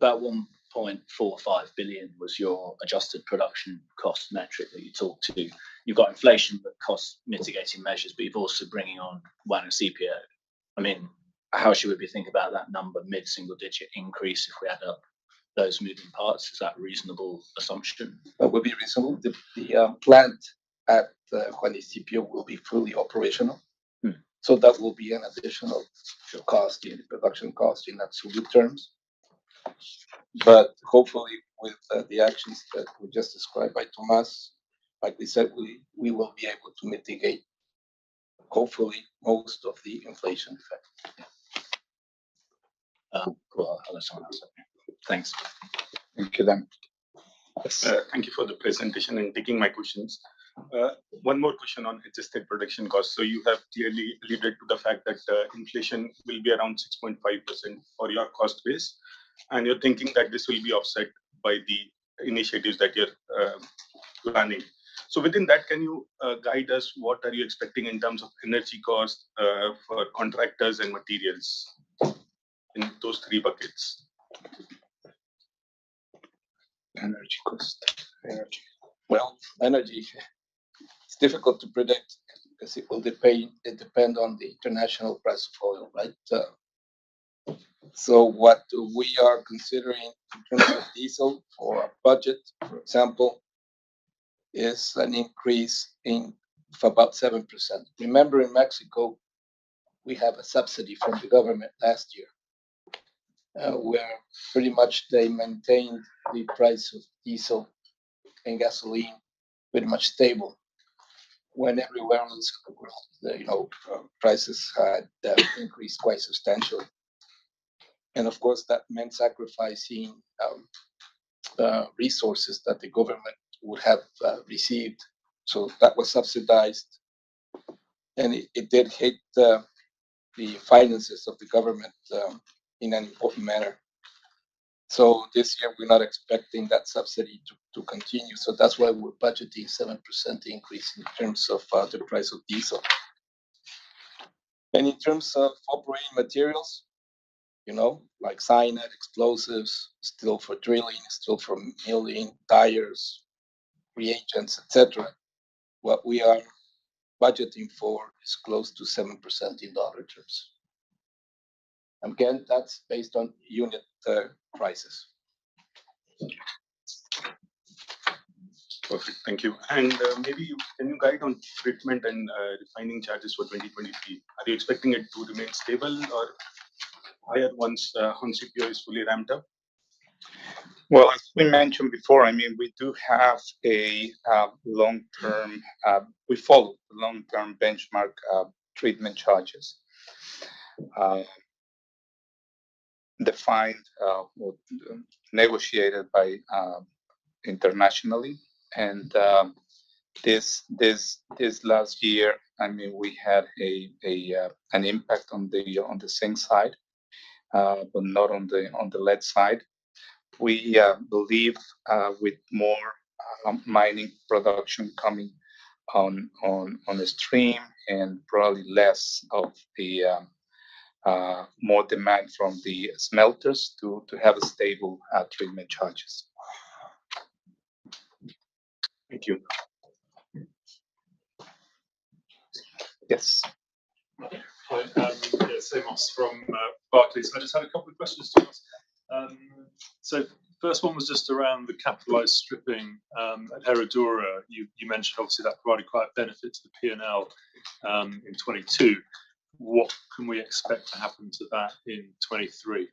About $1.45 billion was your adjusted production cost metric that you talked to. You've got inflation, cost mitigating measures. You're also bringing on Guanaceví I mean, how should we be thinking about that number, mid-single digit increase, if we add up those moving parts? Is that a reasonable assumption? That would be reasonable. The plant at the Juanicipio will be fully operational. That will be an additional cost, production cost in absolute terms. Hopefully with the actions that were just described by Thomas, like we said, we will be able to mitigate hopefully most of the inflation effect. Yeah. cool. I'll let someone else. Thanks. Thank you, Dan. Yes, thank you for the presentation and taking my questions. One more question on adjusted production costs. You have clearly alluded to the fact that inflation will be around 6.5% for your cost base, and you're thinking that this will be offset by the initiatives that you're planning. Within that, can you guide us what are you expecting in terms of energy costs, for contractors and materials in those three buckets? Energy costs. Energy. Well, energy it's difficult to predict because it will depend on the international price of oil, right? What we are considering in terms of diesel for our budget, for example, is an increase of about 7%. Remember, in Mexico we have a subsidy from the government last year, where pretty much they maintained the price of diesel and gasoline pretty much stable when everywhere on this globe, you know, prices had increased quite substantially. Of course, that meant sacrificing resources that the government would have received. That was subsidized, and it did hit the finances of the government in an important manner. This year we're not expecting that subsidy to continue, that's why we're budgeting 7% increase in terms of the price of diesel. In terms of operating materials, you know, like cyanide, explosives, steel for drilling, steel for milling, tires, reagents, et cetera, what we are budgeting for is close to 7% in dollar terms. Again, that's based on unit prices. Perfect. Thank you. Can you guide on treatment and refining charges for 2023? Are you expecting it to remain stable or higher once Juanicipio is fully ramped up? Well, as we mentioned before, I mean, we follow the long-term benchmark treatment charges defined or negotiated by internationally. This last year, I mean, we had an impact on the zinc side, but not on the lead side. We believe with more mining production coming on the stream and probably less of the more demand from the smelters to have stable treatment charges. Thank you. Yes. Hi. Yeah, Seamus from Barclays. I just had a couple of questions to ask. First one was just around the capitalized stripping at Herradura. You mentioned obviously that provided quite a benefit to the P&L in 2022. What can we expect to happen to that in 2023?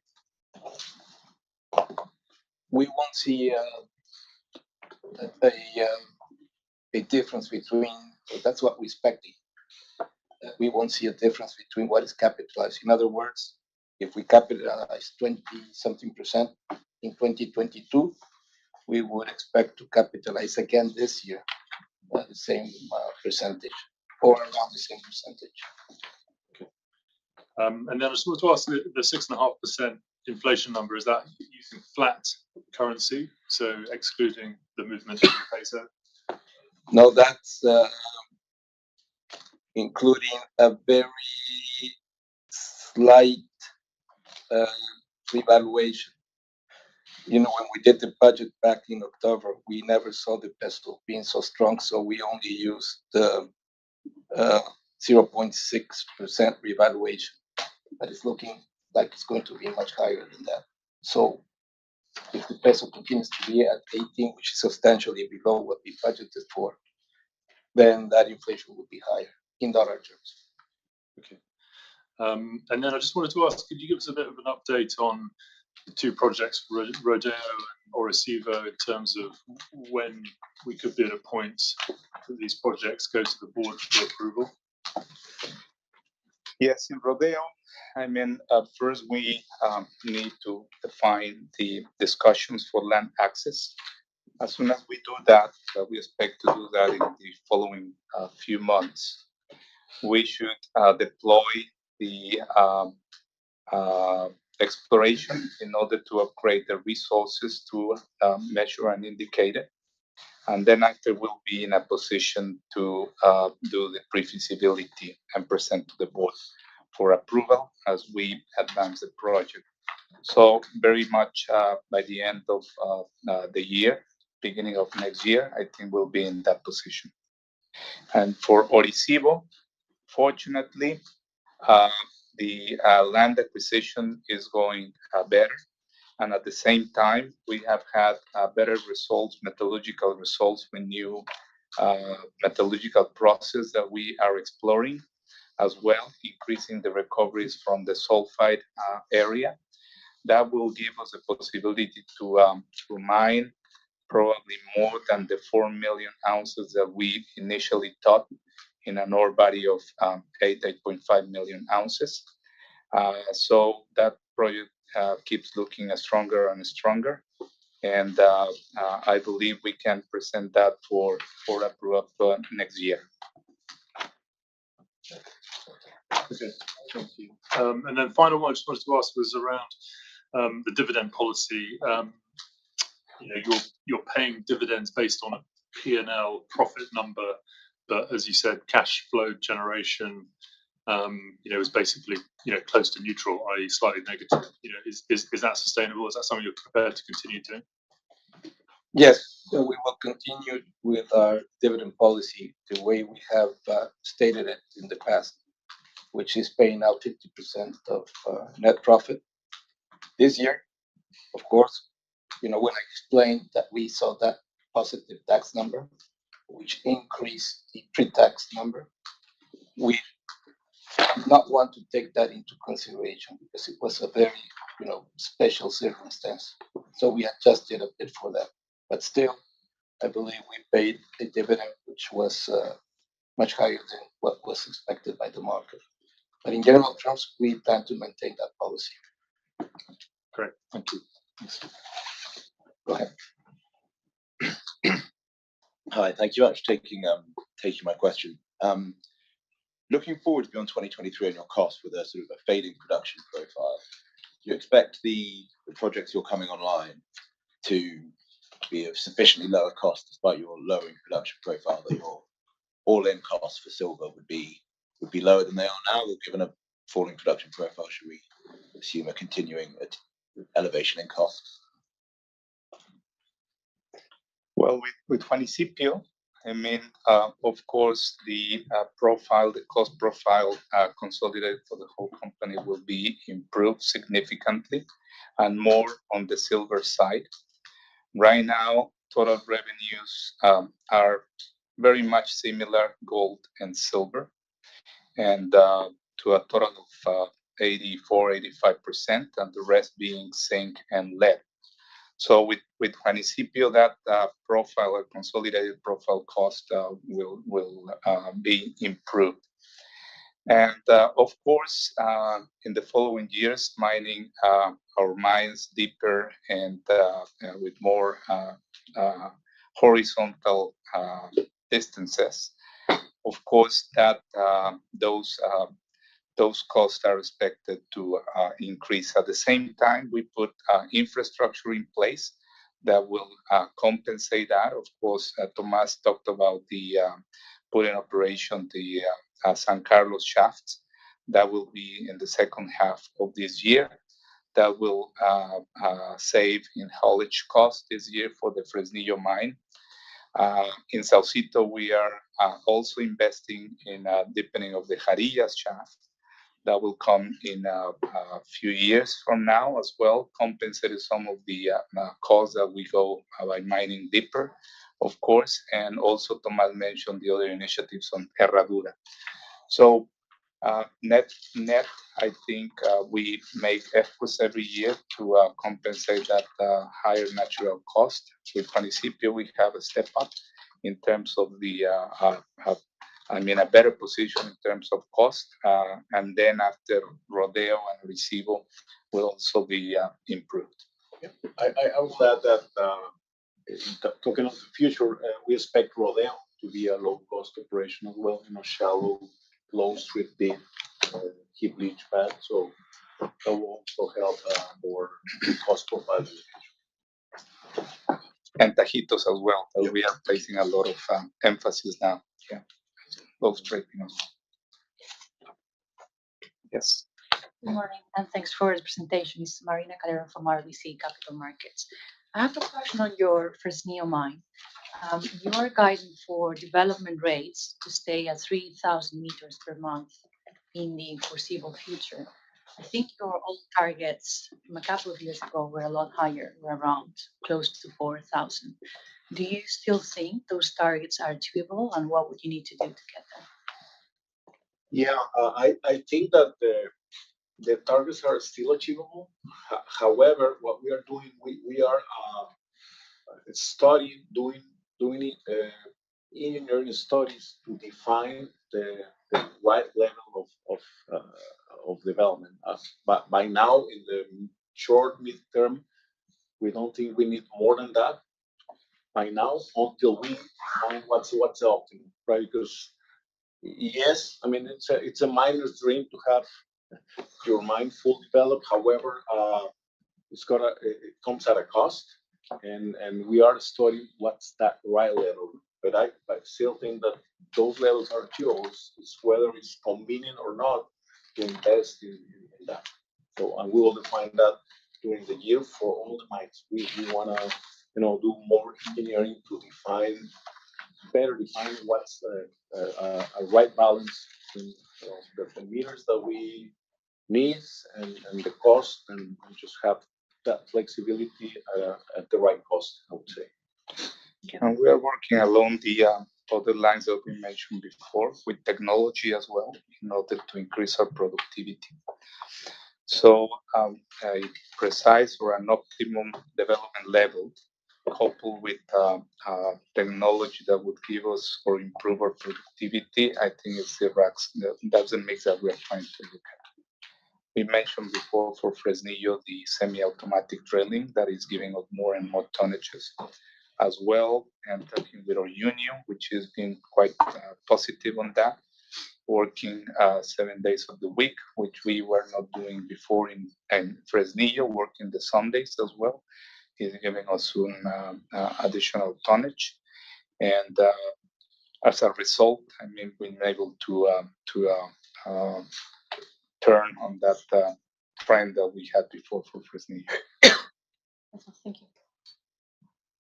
That's what we're expecting, that we won't see a difference between what is capitalized. In other words, if we capitalize 20 something % in 2022, we would expect to capitalize again this year the same percentage or around the same percentage. Okay. Then I just wanted to ask, the 6.5% inflation number, is that using flat currency, so excluding the movement in Peso? No, that's including a very slight revaluation. You know, when we did the budget back in October, we never saw the peso being so strong, so we only used 0.6% revaluation. It's looking like it's going to be much higher than that. If the peso continues to be at 18, which is substantially below what we budgeted for, that inflation will be higher in dollar terms. Okay. I just wanted to ask, could you give us a bit of an update on the two projects, Rodeo and Orisyvo, in terms of when we could be at a point that these projects go to the Board for approval? Yes. In Rodeo, I mean, first we need to define the discussions for land access. As soon as we do that, we expect to do that in the following few months, we should deploy the exploration in order to upgrade the resources to measure and indicate it. Then after, we'll be in a position to do the pre-feasibility and present to the board for approval as we advance the project. Very much, by the end of the year, beginning of next year, I think we'll be in that position. For Orisyvo, fortunately, the land acquisition is going better. At the same time, we have had better results, metallurgical results with new metallurgical process that we are exploring as well, increasing the recoveries from the sulfide area. That will give us a possibility to mine probably more than the 4 million ounces that we initially thought in an ore body of 8.5 million ounces. That project keeps looking stronger and stronger. I believe we can present that for approval for next year. Okay. Thank you. Final one I just wanted to ask was around the dividend policy. You know, you're paying dividends based on a P&L profit number, but as you said, cash flow generation, you know, is basically, you know, close to neutral, i.e., slightly negative. You know, is that sustainable? Is that something you're prepared to continue doing? Yes. We will continue with our dividend policy the way we have stated it in the past, which is paying out 50% of net profit. This year, of course, you know, when I explained that we saw that positive tax number, which increased the pre-tax number, we did not want to take that into consideration because it was a very, you know, special circumstance. We adjusted a bit for that. Still, I believe we paid a dividend which was much higher than what was expected by the market. In general terms, we plan to maintain that policy. Great. Thank you. Yes, sir. Go ahead. Hi, thank you very much for taking my question. Looking forward beyond 2023 and your costs with a sort of a fading production profile, do you expect the projects you're coming online to be of sufficiently lower cost despite your lowering production profile that your all-in cost for silver would be lower than they are now? Given a falling production profile, should we assume a continuing at elevation in costs? Well, with Juanicipio, I mean, of course, the profile, the cost profile, consolidated for the whole company will be improved significantly and more on the silver side. Right now, total revenues are very much similar gold and silver, and to a total of 84%-85%, and the rest being zinc and lead. With Juanicipio, that profile or consolidated profile cost will be improved. Of course, in the following years, mining, our mine's deeper and with more horizontal distances. Of course, those costs are expected to increase. At the same time, we put infrastructure in place that will compensate that. Of course, Tomás talked about the putting operation the San Carlos shaft that will be in the second half of this year. That will save in haulage cost this year for the Fresnillo mine. In Saucito, we are also investing in deepening of the Jarillas shaft that will come in a few years from now as well, compensate some of the costs that we go by mining deeper, of course. Tomás mentioned the other initiatives on Herradura. Net, net, I think, we make efforts every year to compensate that higher natural cost. With Juanicipio, we have a step up in terms of the, I mean, a better position in terms of cost. After Rodeo and Orisyvo will also be improved. Yeah. I would add that, talking of the future, we expect Rodeo to be a low-cost operation as well in a shallow close with the heap leaching pad. That will also help more cost profile. Tajitos as well. That we are placing a lot of emphasis now. Yeah. Both treatments. Yes. Good morning. Thanks for the presentation. It's Marina Calero from RBC Capital Markets. I have a question on your Fresnillo mine. Your guidance for development rates to stay at 3,000 meters per month in the foreseeable future. I think your old targets from a couple of years ago were a lot higher, were around close to 4,000. Do you still think those targets are achievable? What would you need to do to get there? I think that the targets are still achievable. What we are doing, we are studying engineering studies to define the right level of development. As by now, in the short, mid-term, we don't think we need more than that by now until we find what's the optimum, right? Yes, I mean, it's a miner's dream to have your mine full developed. It comes at a cost and we are studying what's that right level. I still think that those levels are achievable. It's whether it's convenient or not. To invest in that. We will define that during the year for all the mines. We wanna, you know, do more engineering to define, better define what's the right balance between, you know, the meters that we need and the cost, and just have that flexibility at the right cost, I would say. We are working along the all the lines that we mentioned before with technology as well in order to increase our productivity. A precise or an optimum development level coupled with technology that would give us or improve our productivity, I think it's the racks that's a mix that we are trying to look at. We mentioned before for Fresnillo, the semi-automatic drilling that is giving us more and more tonnages as well, and talking with our union, which has been quite positive on that. Working seven days of the week, which we were not doing before in Fresnillo. Working the Sundays as well is giving us additional tonnage. As a result, I mean, we've been able to turn on that trend that we had before for Fresnillo. Thank you.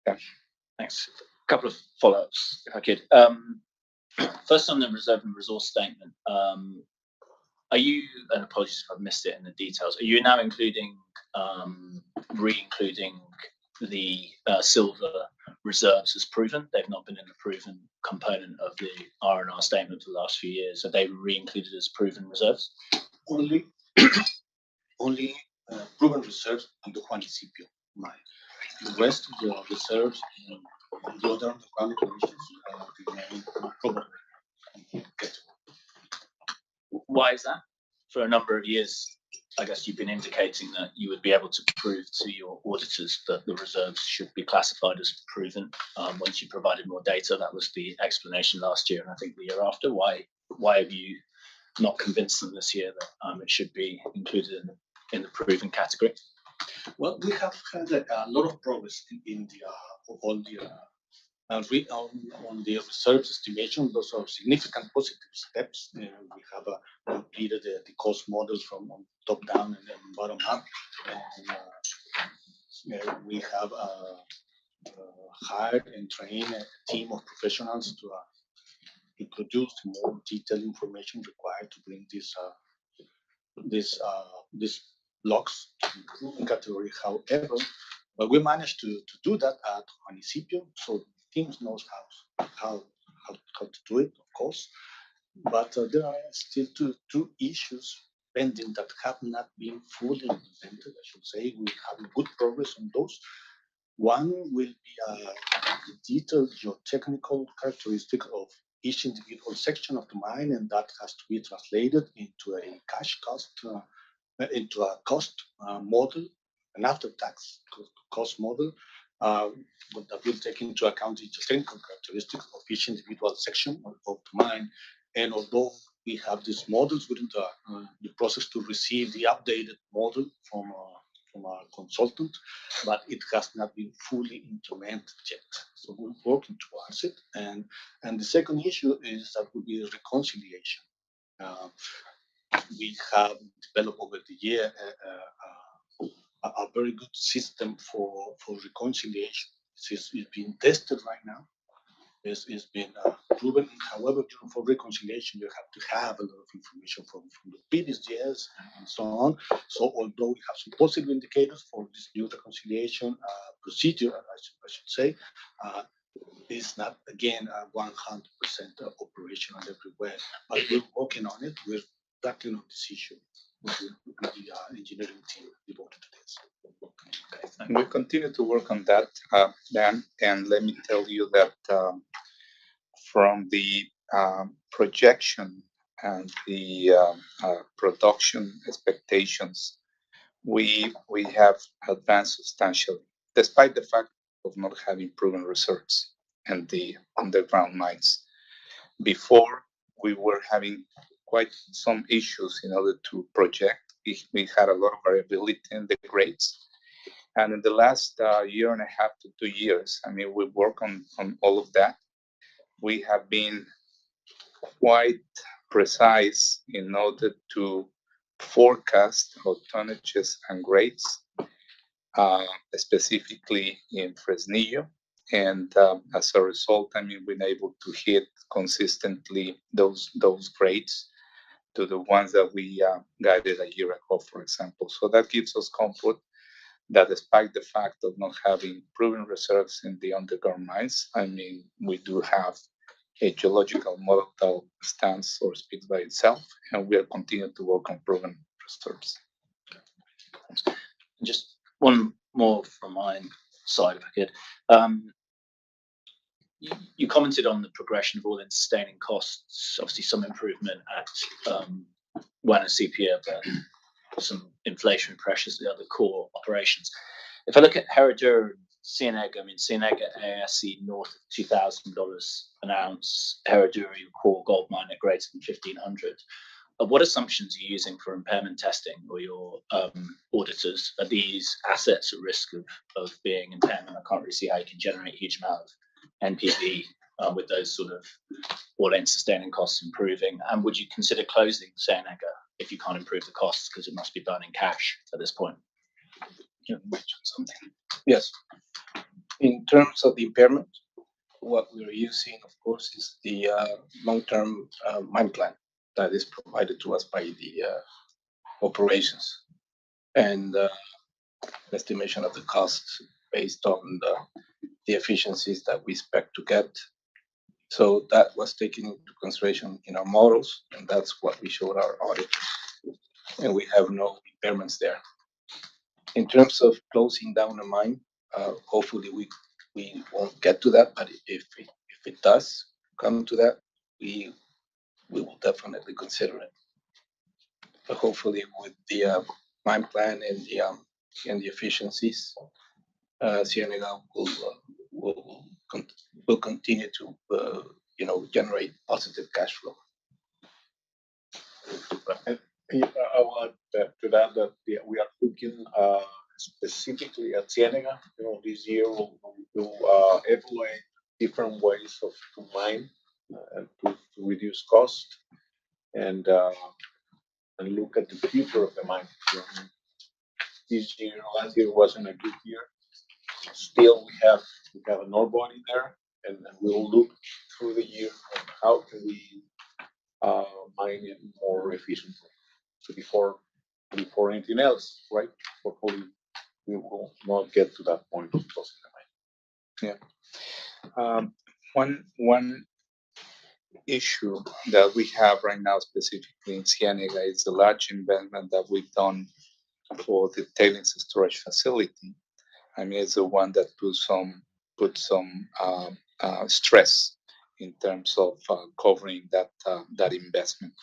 Yeah. Thanks. Couple of follow-ups. [audio distortion] First on the reserve and resource statement. Apologies if I've missed it in the details. Are you now including, re-including the silver reserves as proven? They've not been in a proven component of the R&R statement for the last few years. Are they re-included as proven reserves? Only proven reserves on the Juanicipio mine. The rest of the reserves in the other underground commissions are remaining program category. Why is that? For a number of years, I guess you've been indicating that you would be able to prove to your auditors that the reserves should be classified as proven, once you provided more data. That was the explanation last year and I think the year after. Why have you not convinced them this year that, it should be included in the proven category? Well, we have had a lot of progress in the all the on the reserves estimation. Those are significant positive steps. We have completed the cost models from on top-down and then bottom-up. We have hired and trained a team of professionals to introduce more detailed information required to bring this logs to improving category. However, we managed to do that at Juanicipio, so the team knows how to do it, of course. There are still two issues pending that have not been fully presented, I should say. We're having good progress on those. One will be the detailed geotechnical characteristic of each individual section of the mine, that has to be translated into a cash cost, into a cost model, an after-tax co-cost model, that will take into account each different characteristic of each individual section of the mine. Although we have these models within the process to receive the updated model from our consultant, it has not been fully implemented yet. We're working towards it. The second issue is that would be the reconciliation. We have developed over the year a very good system for reconciliation. It's being tested right now. It's being proven. However, for reconciliation, you have to have a lot of information from the PD, GS, and so on. Although we have some positive indicators for this new reconciliation, procedure, I should say, it's not again, 100% operational everywhere. We're working on it with that kind of decision with the, with the, engineering team involved in this. We'll continue to work on that, Dan. Let me tell you that, from the projection and the production expectations, we have advanced substantially despite the fact of not having proven reserves in the underground mines. Before, we were having quite some issues in order to project. We had a lot of variability in the grades. In the last year and a half to two years, I mean, we've worked on all of that. We have been quite precise in order to forecast our tonnages and grades, specifically in Fresnillo. As a result, I mean, we've been able to hit consistently those grades to the ones that we guided a year ago, for example. That gives us comfort that despite the fact of not having proven reserves in the underground mines, I mean, we do have a geological model stance or speak by itself, and we are continuing to work on proven reserves. Just one more from my side. [audio distortion] You commented on the progression of all-in sustaining costs. Obviously some improvement at Juanicipio, some inflation pressures at the other core operations. If I look at Herradura and Ciénega, I mean, Ciénega AISC north of $2,000 an ounce, Herradura your core gold mine at grades from $1,500. What assumptions are you using for impairment testing or your auditors? Are these assets at risk of being impaired? I can't really see how you can generate huge amount of NPV with those sort of all-in sustaining costs improving. Would you consider closing Ciénega if you can't improve the costs? 'Cause it must be burning cash at this point. You mentioned something. Yes. In terms of the impairment, what we are using of course is the long-term mine plan that is provided to us by the operations and estimation of the costs based on the efficiencies that we expect to get. That was taken into consideration in our models, and that's what we showed our auditors. We have no impairments there. In terms of closing down a mine, hopefully we won't get to that. If it does come to that, we will definitely consider it. Hopefully with the mine plan and the efficiencies, Ciénega will continue to, you know, generate positive cash flow. I want to add to that we are looking specifically at Ciénega, you know, this year. We will evaluate different ways to mine, to reduce cost and look at the future of the mine. This year... Last year wasn't a good year. Still we have an ore body there, we'll look through the year on how can we mine it more efficiently. Before anything else, right? Hopefully we will not get to that point of closing the mine. One issue that we have right now specifically in Ciénega is the large investment that we've done for the tailings storage facility. I mean, it's the one that put some stress in terms of covering that investment.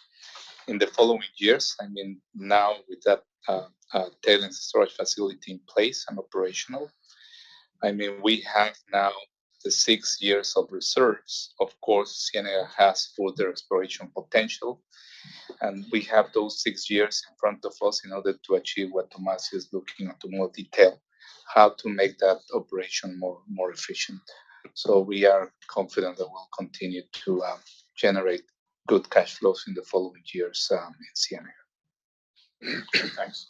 In the following years, I mean, now with that tailings storage facility in place and operational, I mean, we have now the six years of reserves. Of course, Ciénega has further exploration potential, and we have those six years in front of us in order to achieve what Tomás is looking at to more detail, how to make that operation more efficient. We are confident that we'll continue to generate good cash flows in the following years in Ciénega. Thanks.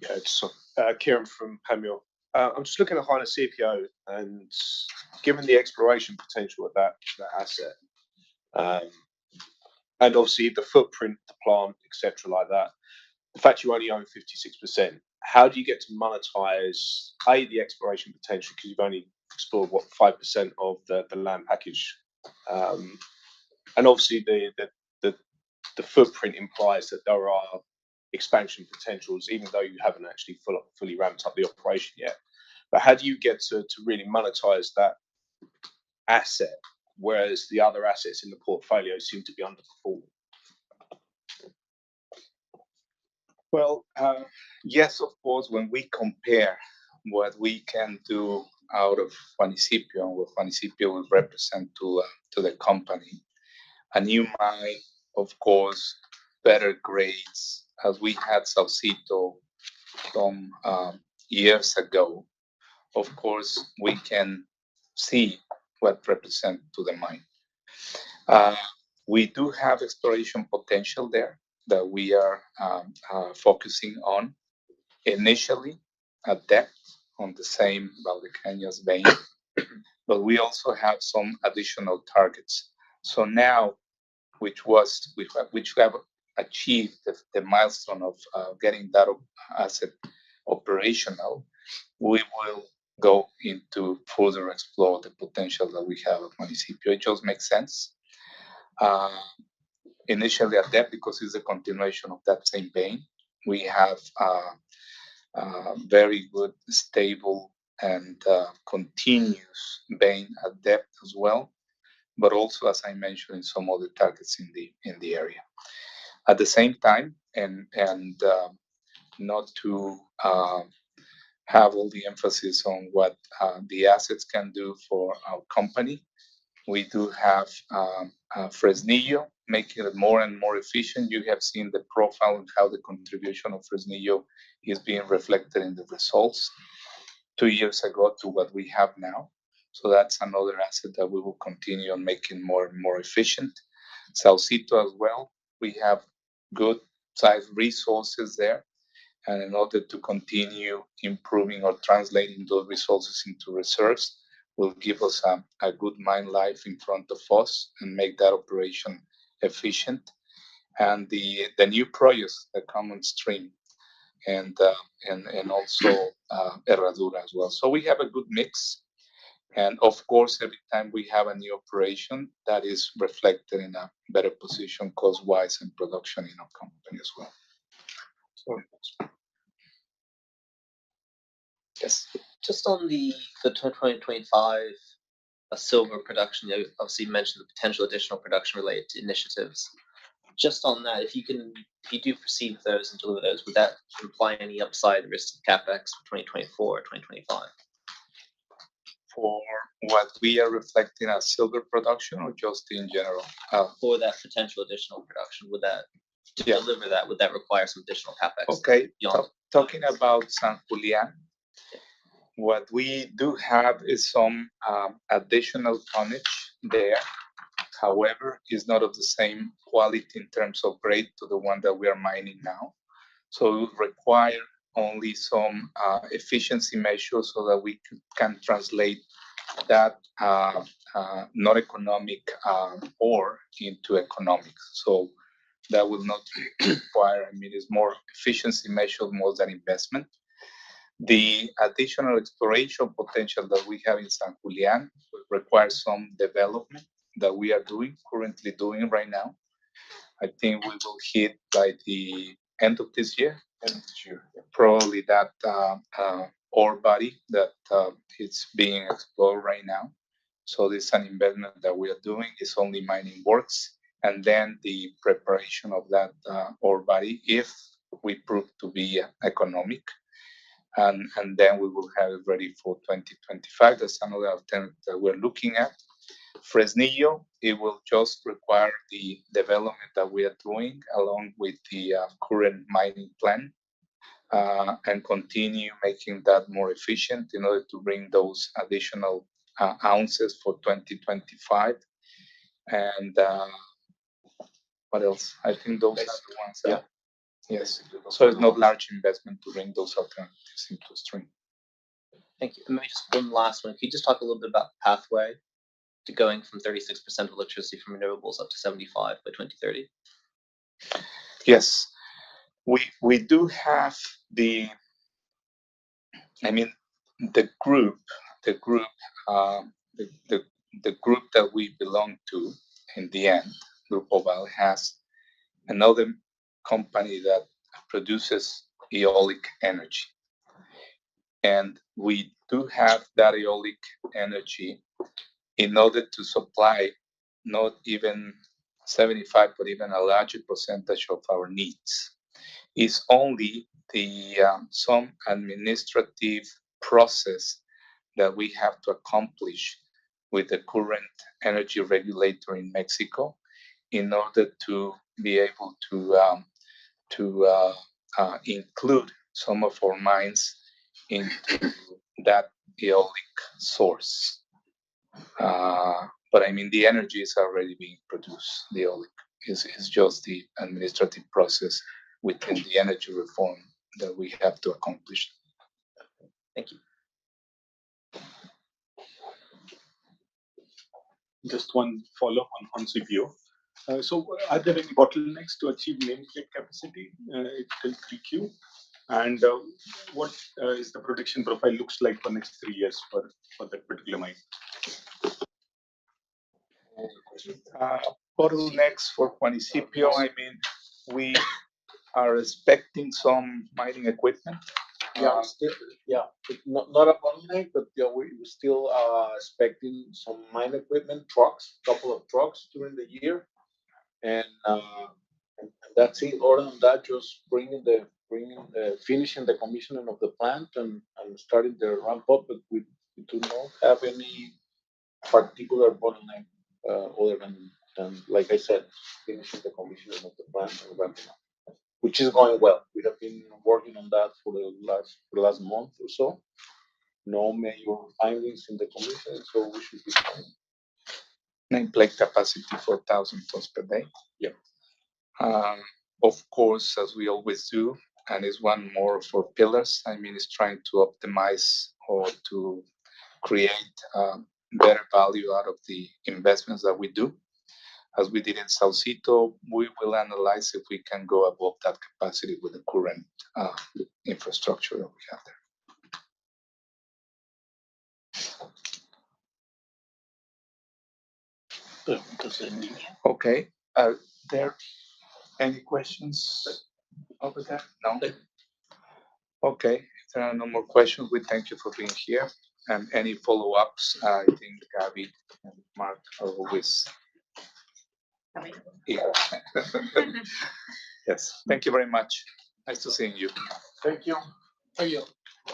Yeah. Kieron from Panmure. I'm just looking at Juanicipio, and given the exploration potential of that asset, and obviously the footprint, the plant, et cetera like that. The fact you only own 56%, how do you get to monetize, A, the exploration potential? Because you've only explored, what, 5% of the land package. Obviously the footprint implies that there are expansion potentials even though you haven't actually fully ramped up the operation yet. How do you get to really monetize that asset, whereas the other assets in the portfolio seem to be underperform? Yes, of course, when we compare what we can do out of Juanicipio and what Juanicipio will represent to the company. A new mine, of course, better grades as we had Saucito from years ago. Of course, we can see what represent to the mine. We do have exploration potential there that we are focusing on. Initially at depth on the same Valle Cienegas vein. We also have some additional targets. Now, we have achieved the milestone of getting that asset operational. We will go into further explore the potential that we have at Juanicipio. It just makes sense, initially at depth because it's a continuation of that same vein. We have very good, stable and continuous vein at depth as well. Also, as I mentioned, some other targets in the area. At the same time, not to have all the emphasis on what the assets can do for our company, we do have Fresnillo making it more and more efficient. You have seen the profile and how the contribution of Fresnillo is being reflected in the results two years ago to what we have now. That's another asset that we will continue on making more and more efficient. Saucito as well, we have good size resources there. In order to continue improving or translating those resources into reserves will give us a good mine life in front of us and make that operation efficient. The new Pyrites, the common stream, and also Herradura as well. We have a good mix. Of course, every time we have a new operation, that is reflected in a better position cost-wise in production in our company as well. [audio distortion] Just on the 2025 silver production. You obviously mentioned the potential additional production related to initiatives. Just on that, if you do proceed with those and deliver those, would that imply any upside risk to CapEx for 2024 or 2025? For what we are reflecting as silver production or just in general? For that potential additional production to deliver that, would that require some additional CapEx? Okay... beyond? Talking about San Julián. What we do have is some additional tonnage there. However, it's not of the same quality in terms of grade to the one that we are mining now. It would require only some efficiency measures so that we can translate that not economic ore into economic. That would not require. I mean, it's more efficiency measure more than investment. The additional exploration potential that we have in San Julián would require some development that we are doing, currently doing right now. I think we will hit by the end of this year. Probably that ore body that is being explored right now. This an investment that we are doing. It's only mining works and then the preparation of that ore body if we prove to be economic. We will have it ready for 2025. That's another alternative that we're looking at. Fresnillo, it will just require the development that we are doing along with the current mining plan, and continue making that more efficient in order to bring those additional ounces for 2025. What else? I think those [audio distortion] There's no large investment to bring those alternatives into stream. Thank you. Maybe just one last one. Could you just talk a little bit about the pathway to going from 36% of electricity from renewables up to 75 by 2030? Yes. We do have the... I mean, the group that we belong to in the end, Grupo BAL, has another company that produces wind energy. We do have that wind energy in order to supply not even 75, but even a larger percentage of our needs. It's only the administrative process that we have to accomplish with the current energy regulator in Mexico in order to be able to include some of our mines into that eolic source. I mean, the energy is already being produced, the eolic. It's just the administrative process within the energy reform that we have to accomplish. Thank you. Just one follow-up on Saucito. Are there any bottlenecks to achieve nameplate capacity in Q2? What is the production profile looks like for next three years for that particular mine? [audio distortion] Bottlenecks for Saucito, I mean, we are expecting some mining equipment. Not a bottleneck, but we're still expecting some mining equipment, trucks, a couple of trucks during the year. That's it. Other than that, just bringing the finishing the commissioning of the plant and starting the ramp-up. We do not have any particular bottleneck, other than, like I said, finishing the commissioning of the plant and ramping up. Which is going well. We have been working on that for the last month or so. No major findings in the commissioning, so we should be fine. Nameplate capacity, 4,000 tons per day. Yeah. Of course, as we always do, and it's one more of our pillars, I mean, it's trying to optimize or to create better value out of the investments that we do. As we did in Saucito, we will analyze if we can go above that capacity with the current infrastructure that we have there. Okay. Are there any questions over there? Okay. If there are no more questions, we thank you for being here. Any follow-ups, I think Gabby and Mark are always here. Yes. Thank you very much. Nice to seeing you. Thank you. Thank you.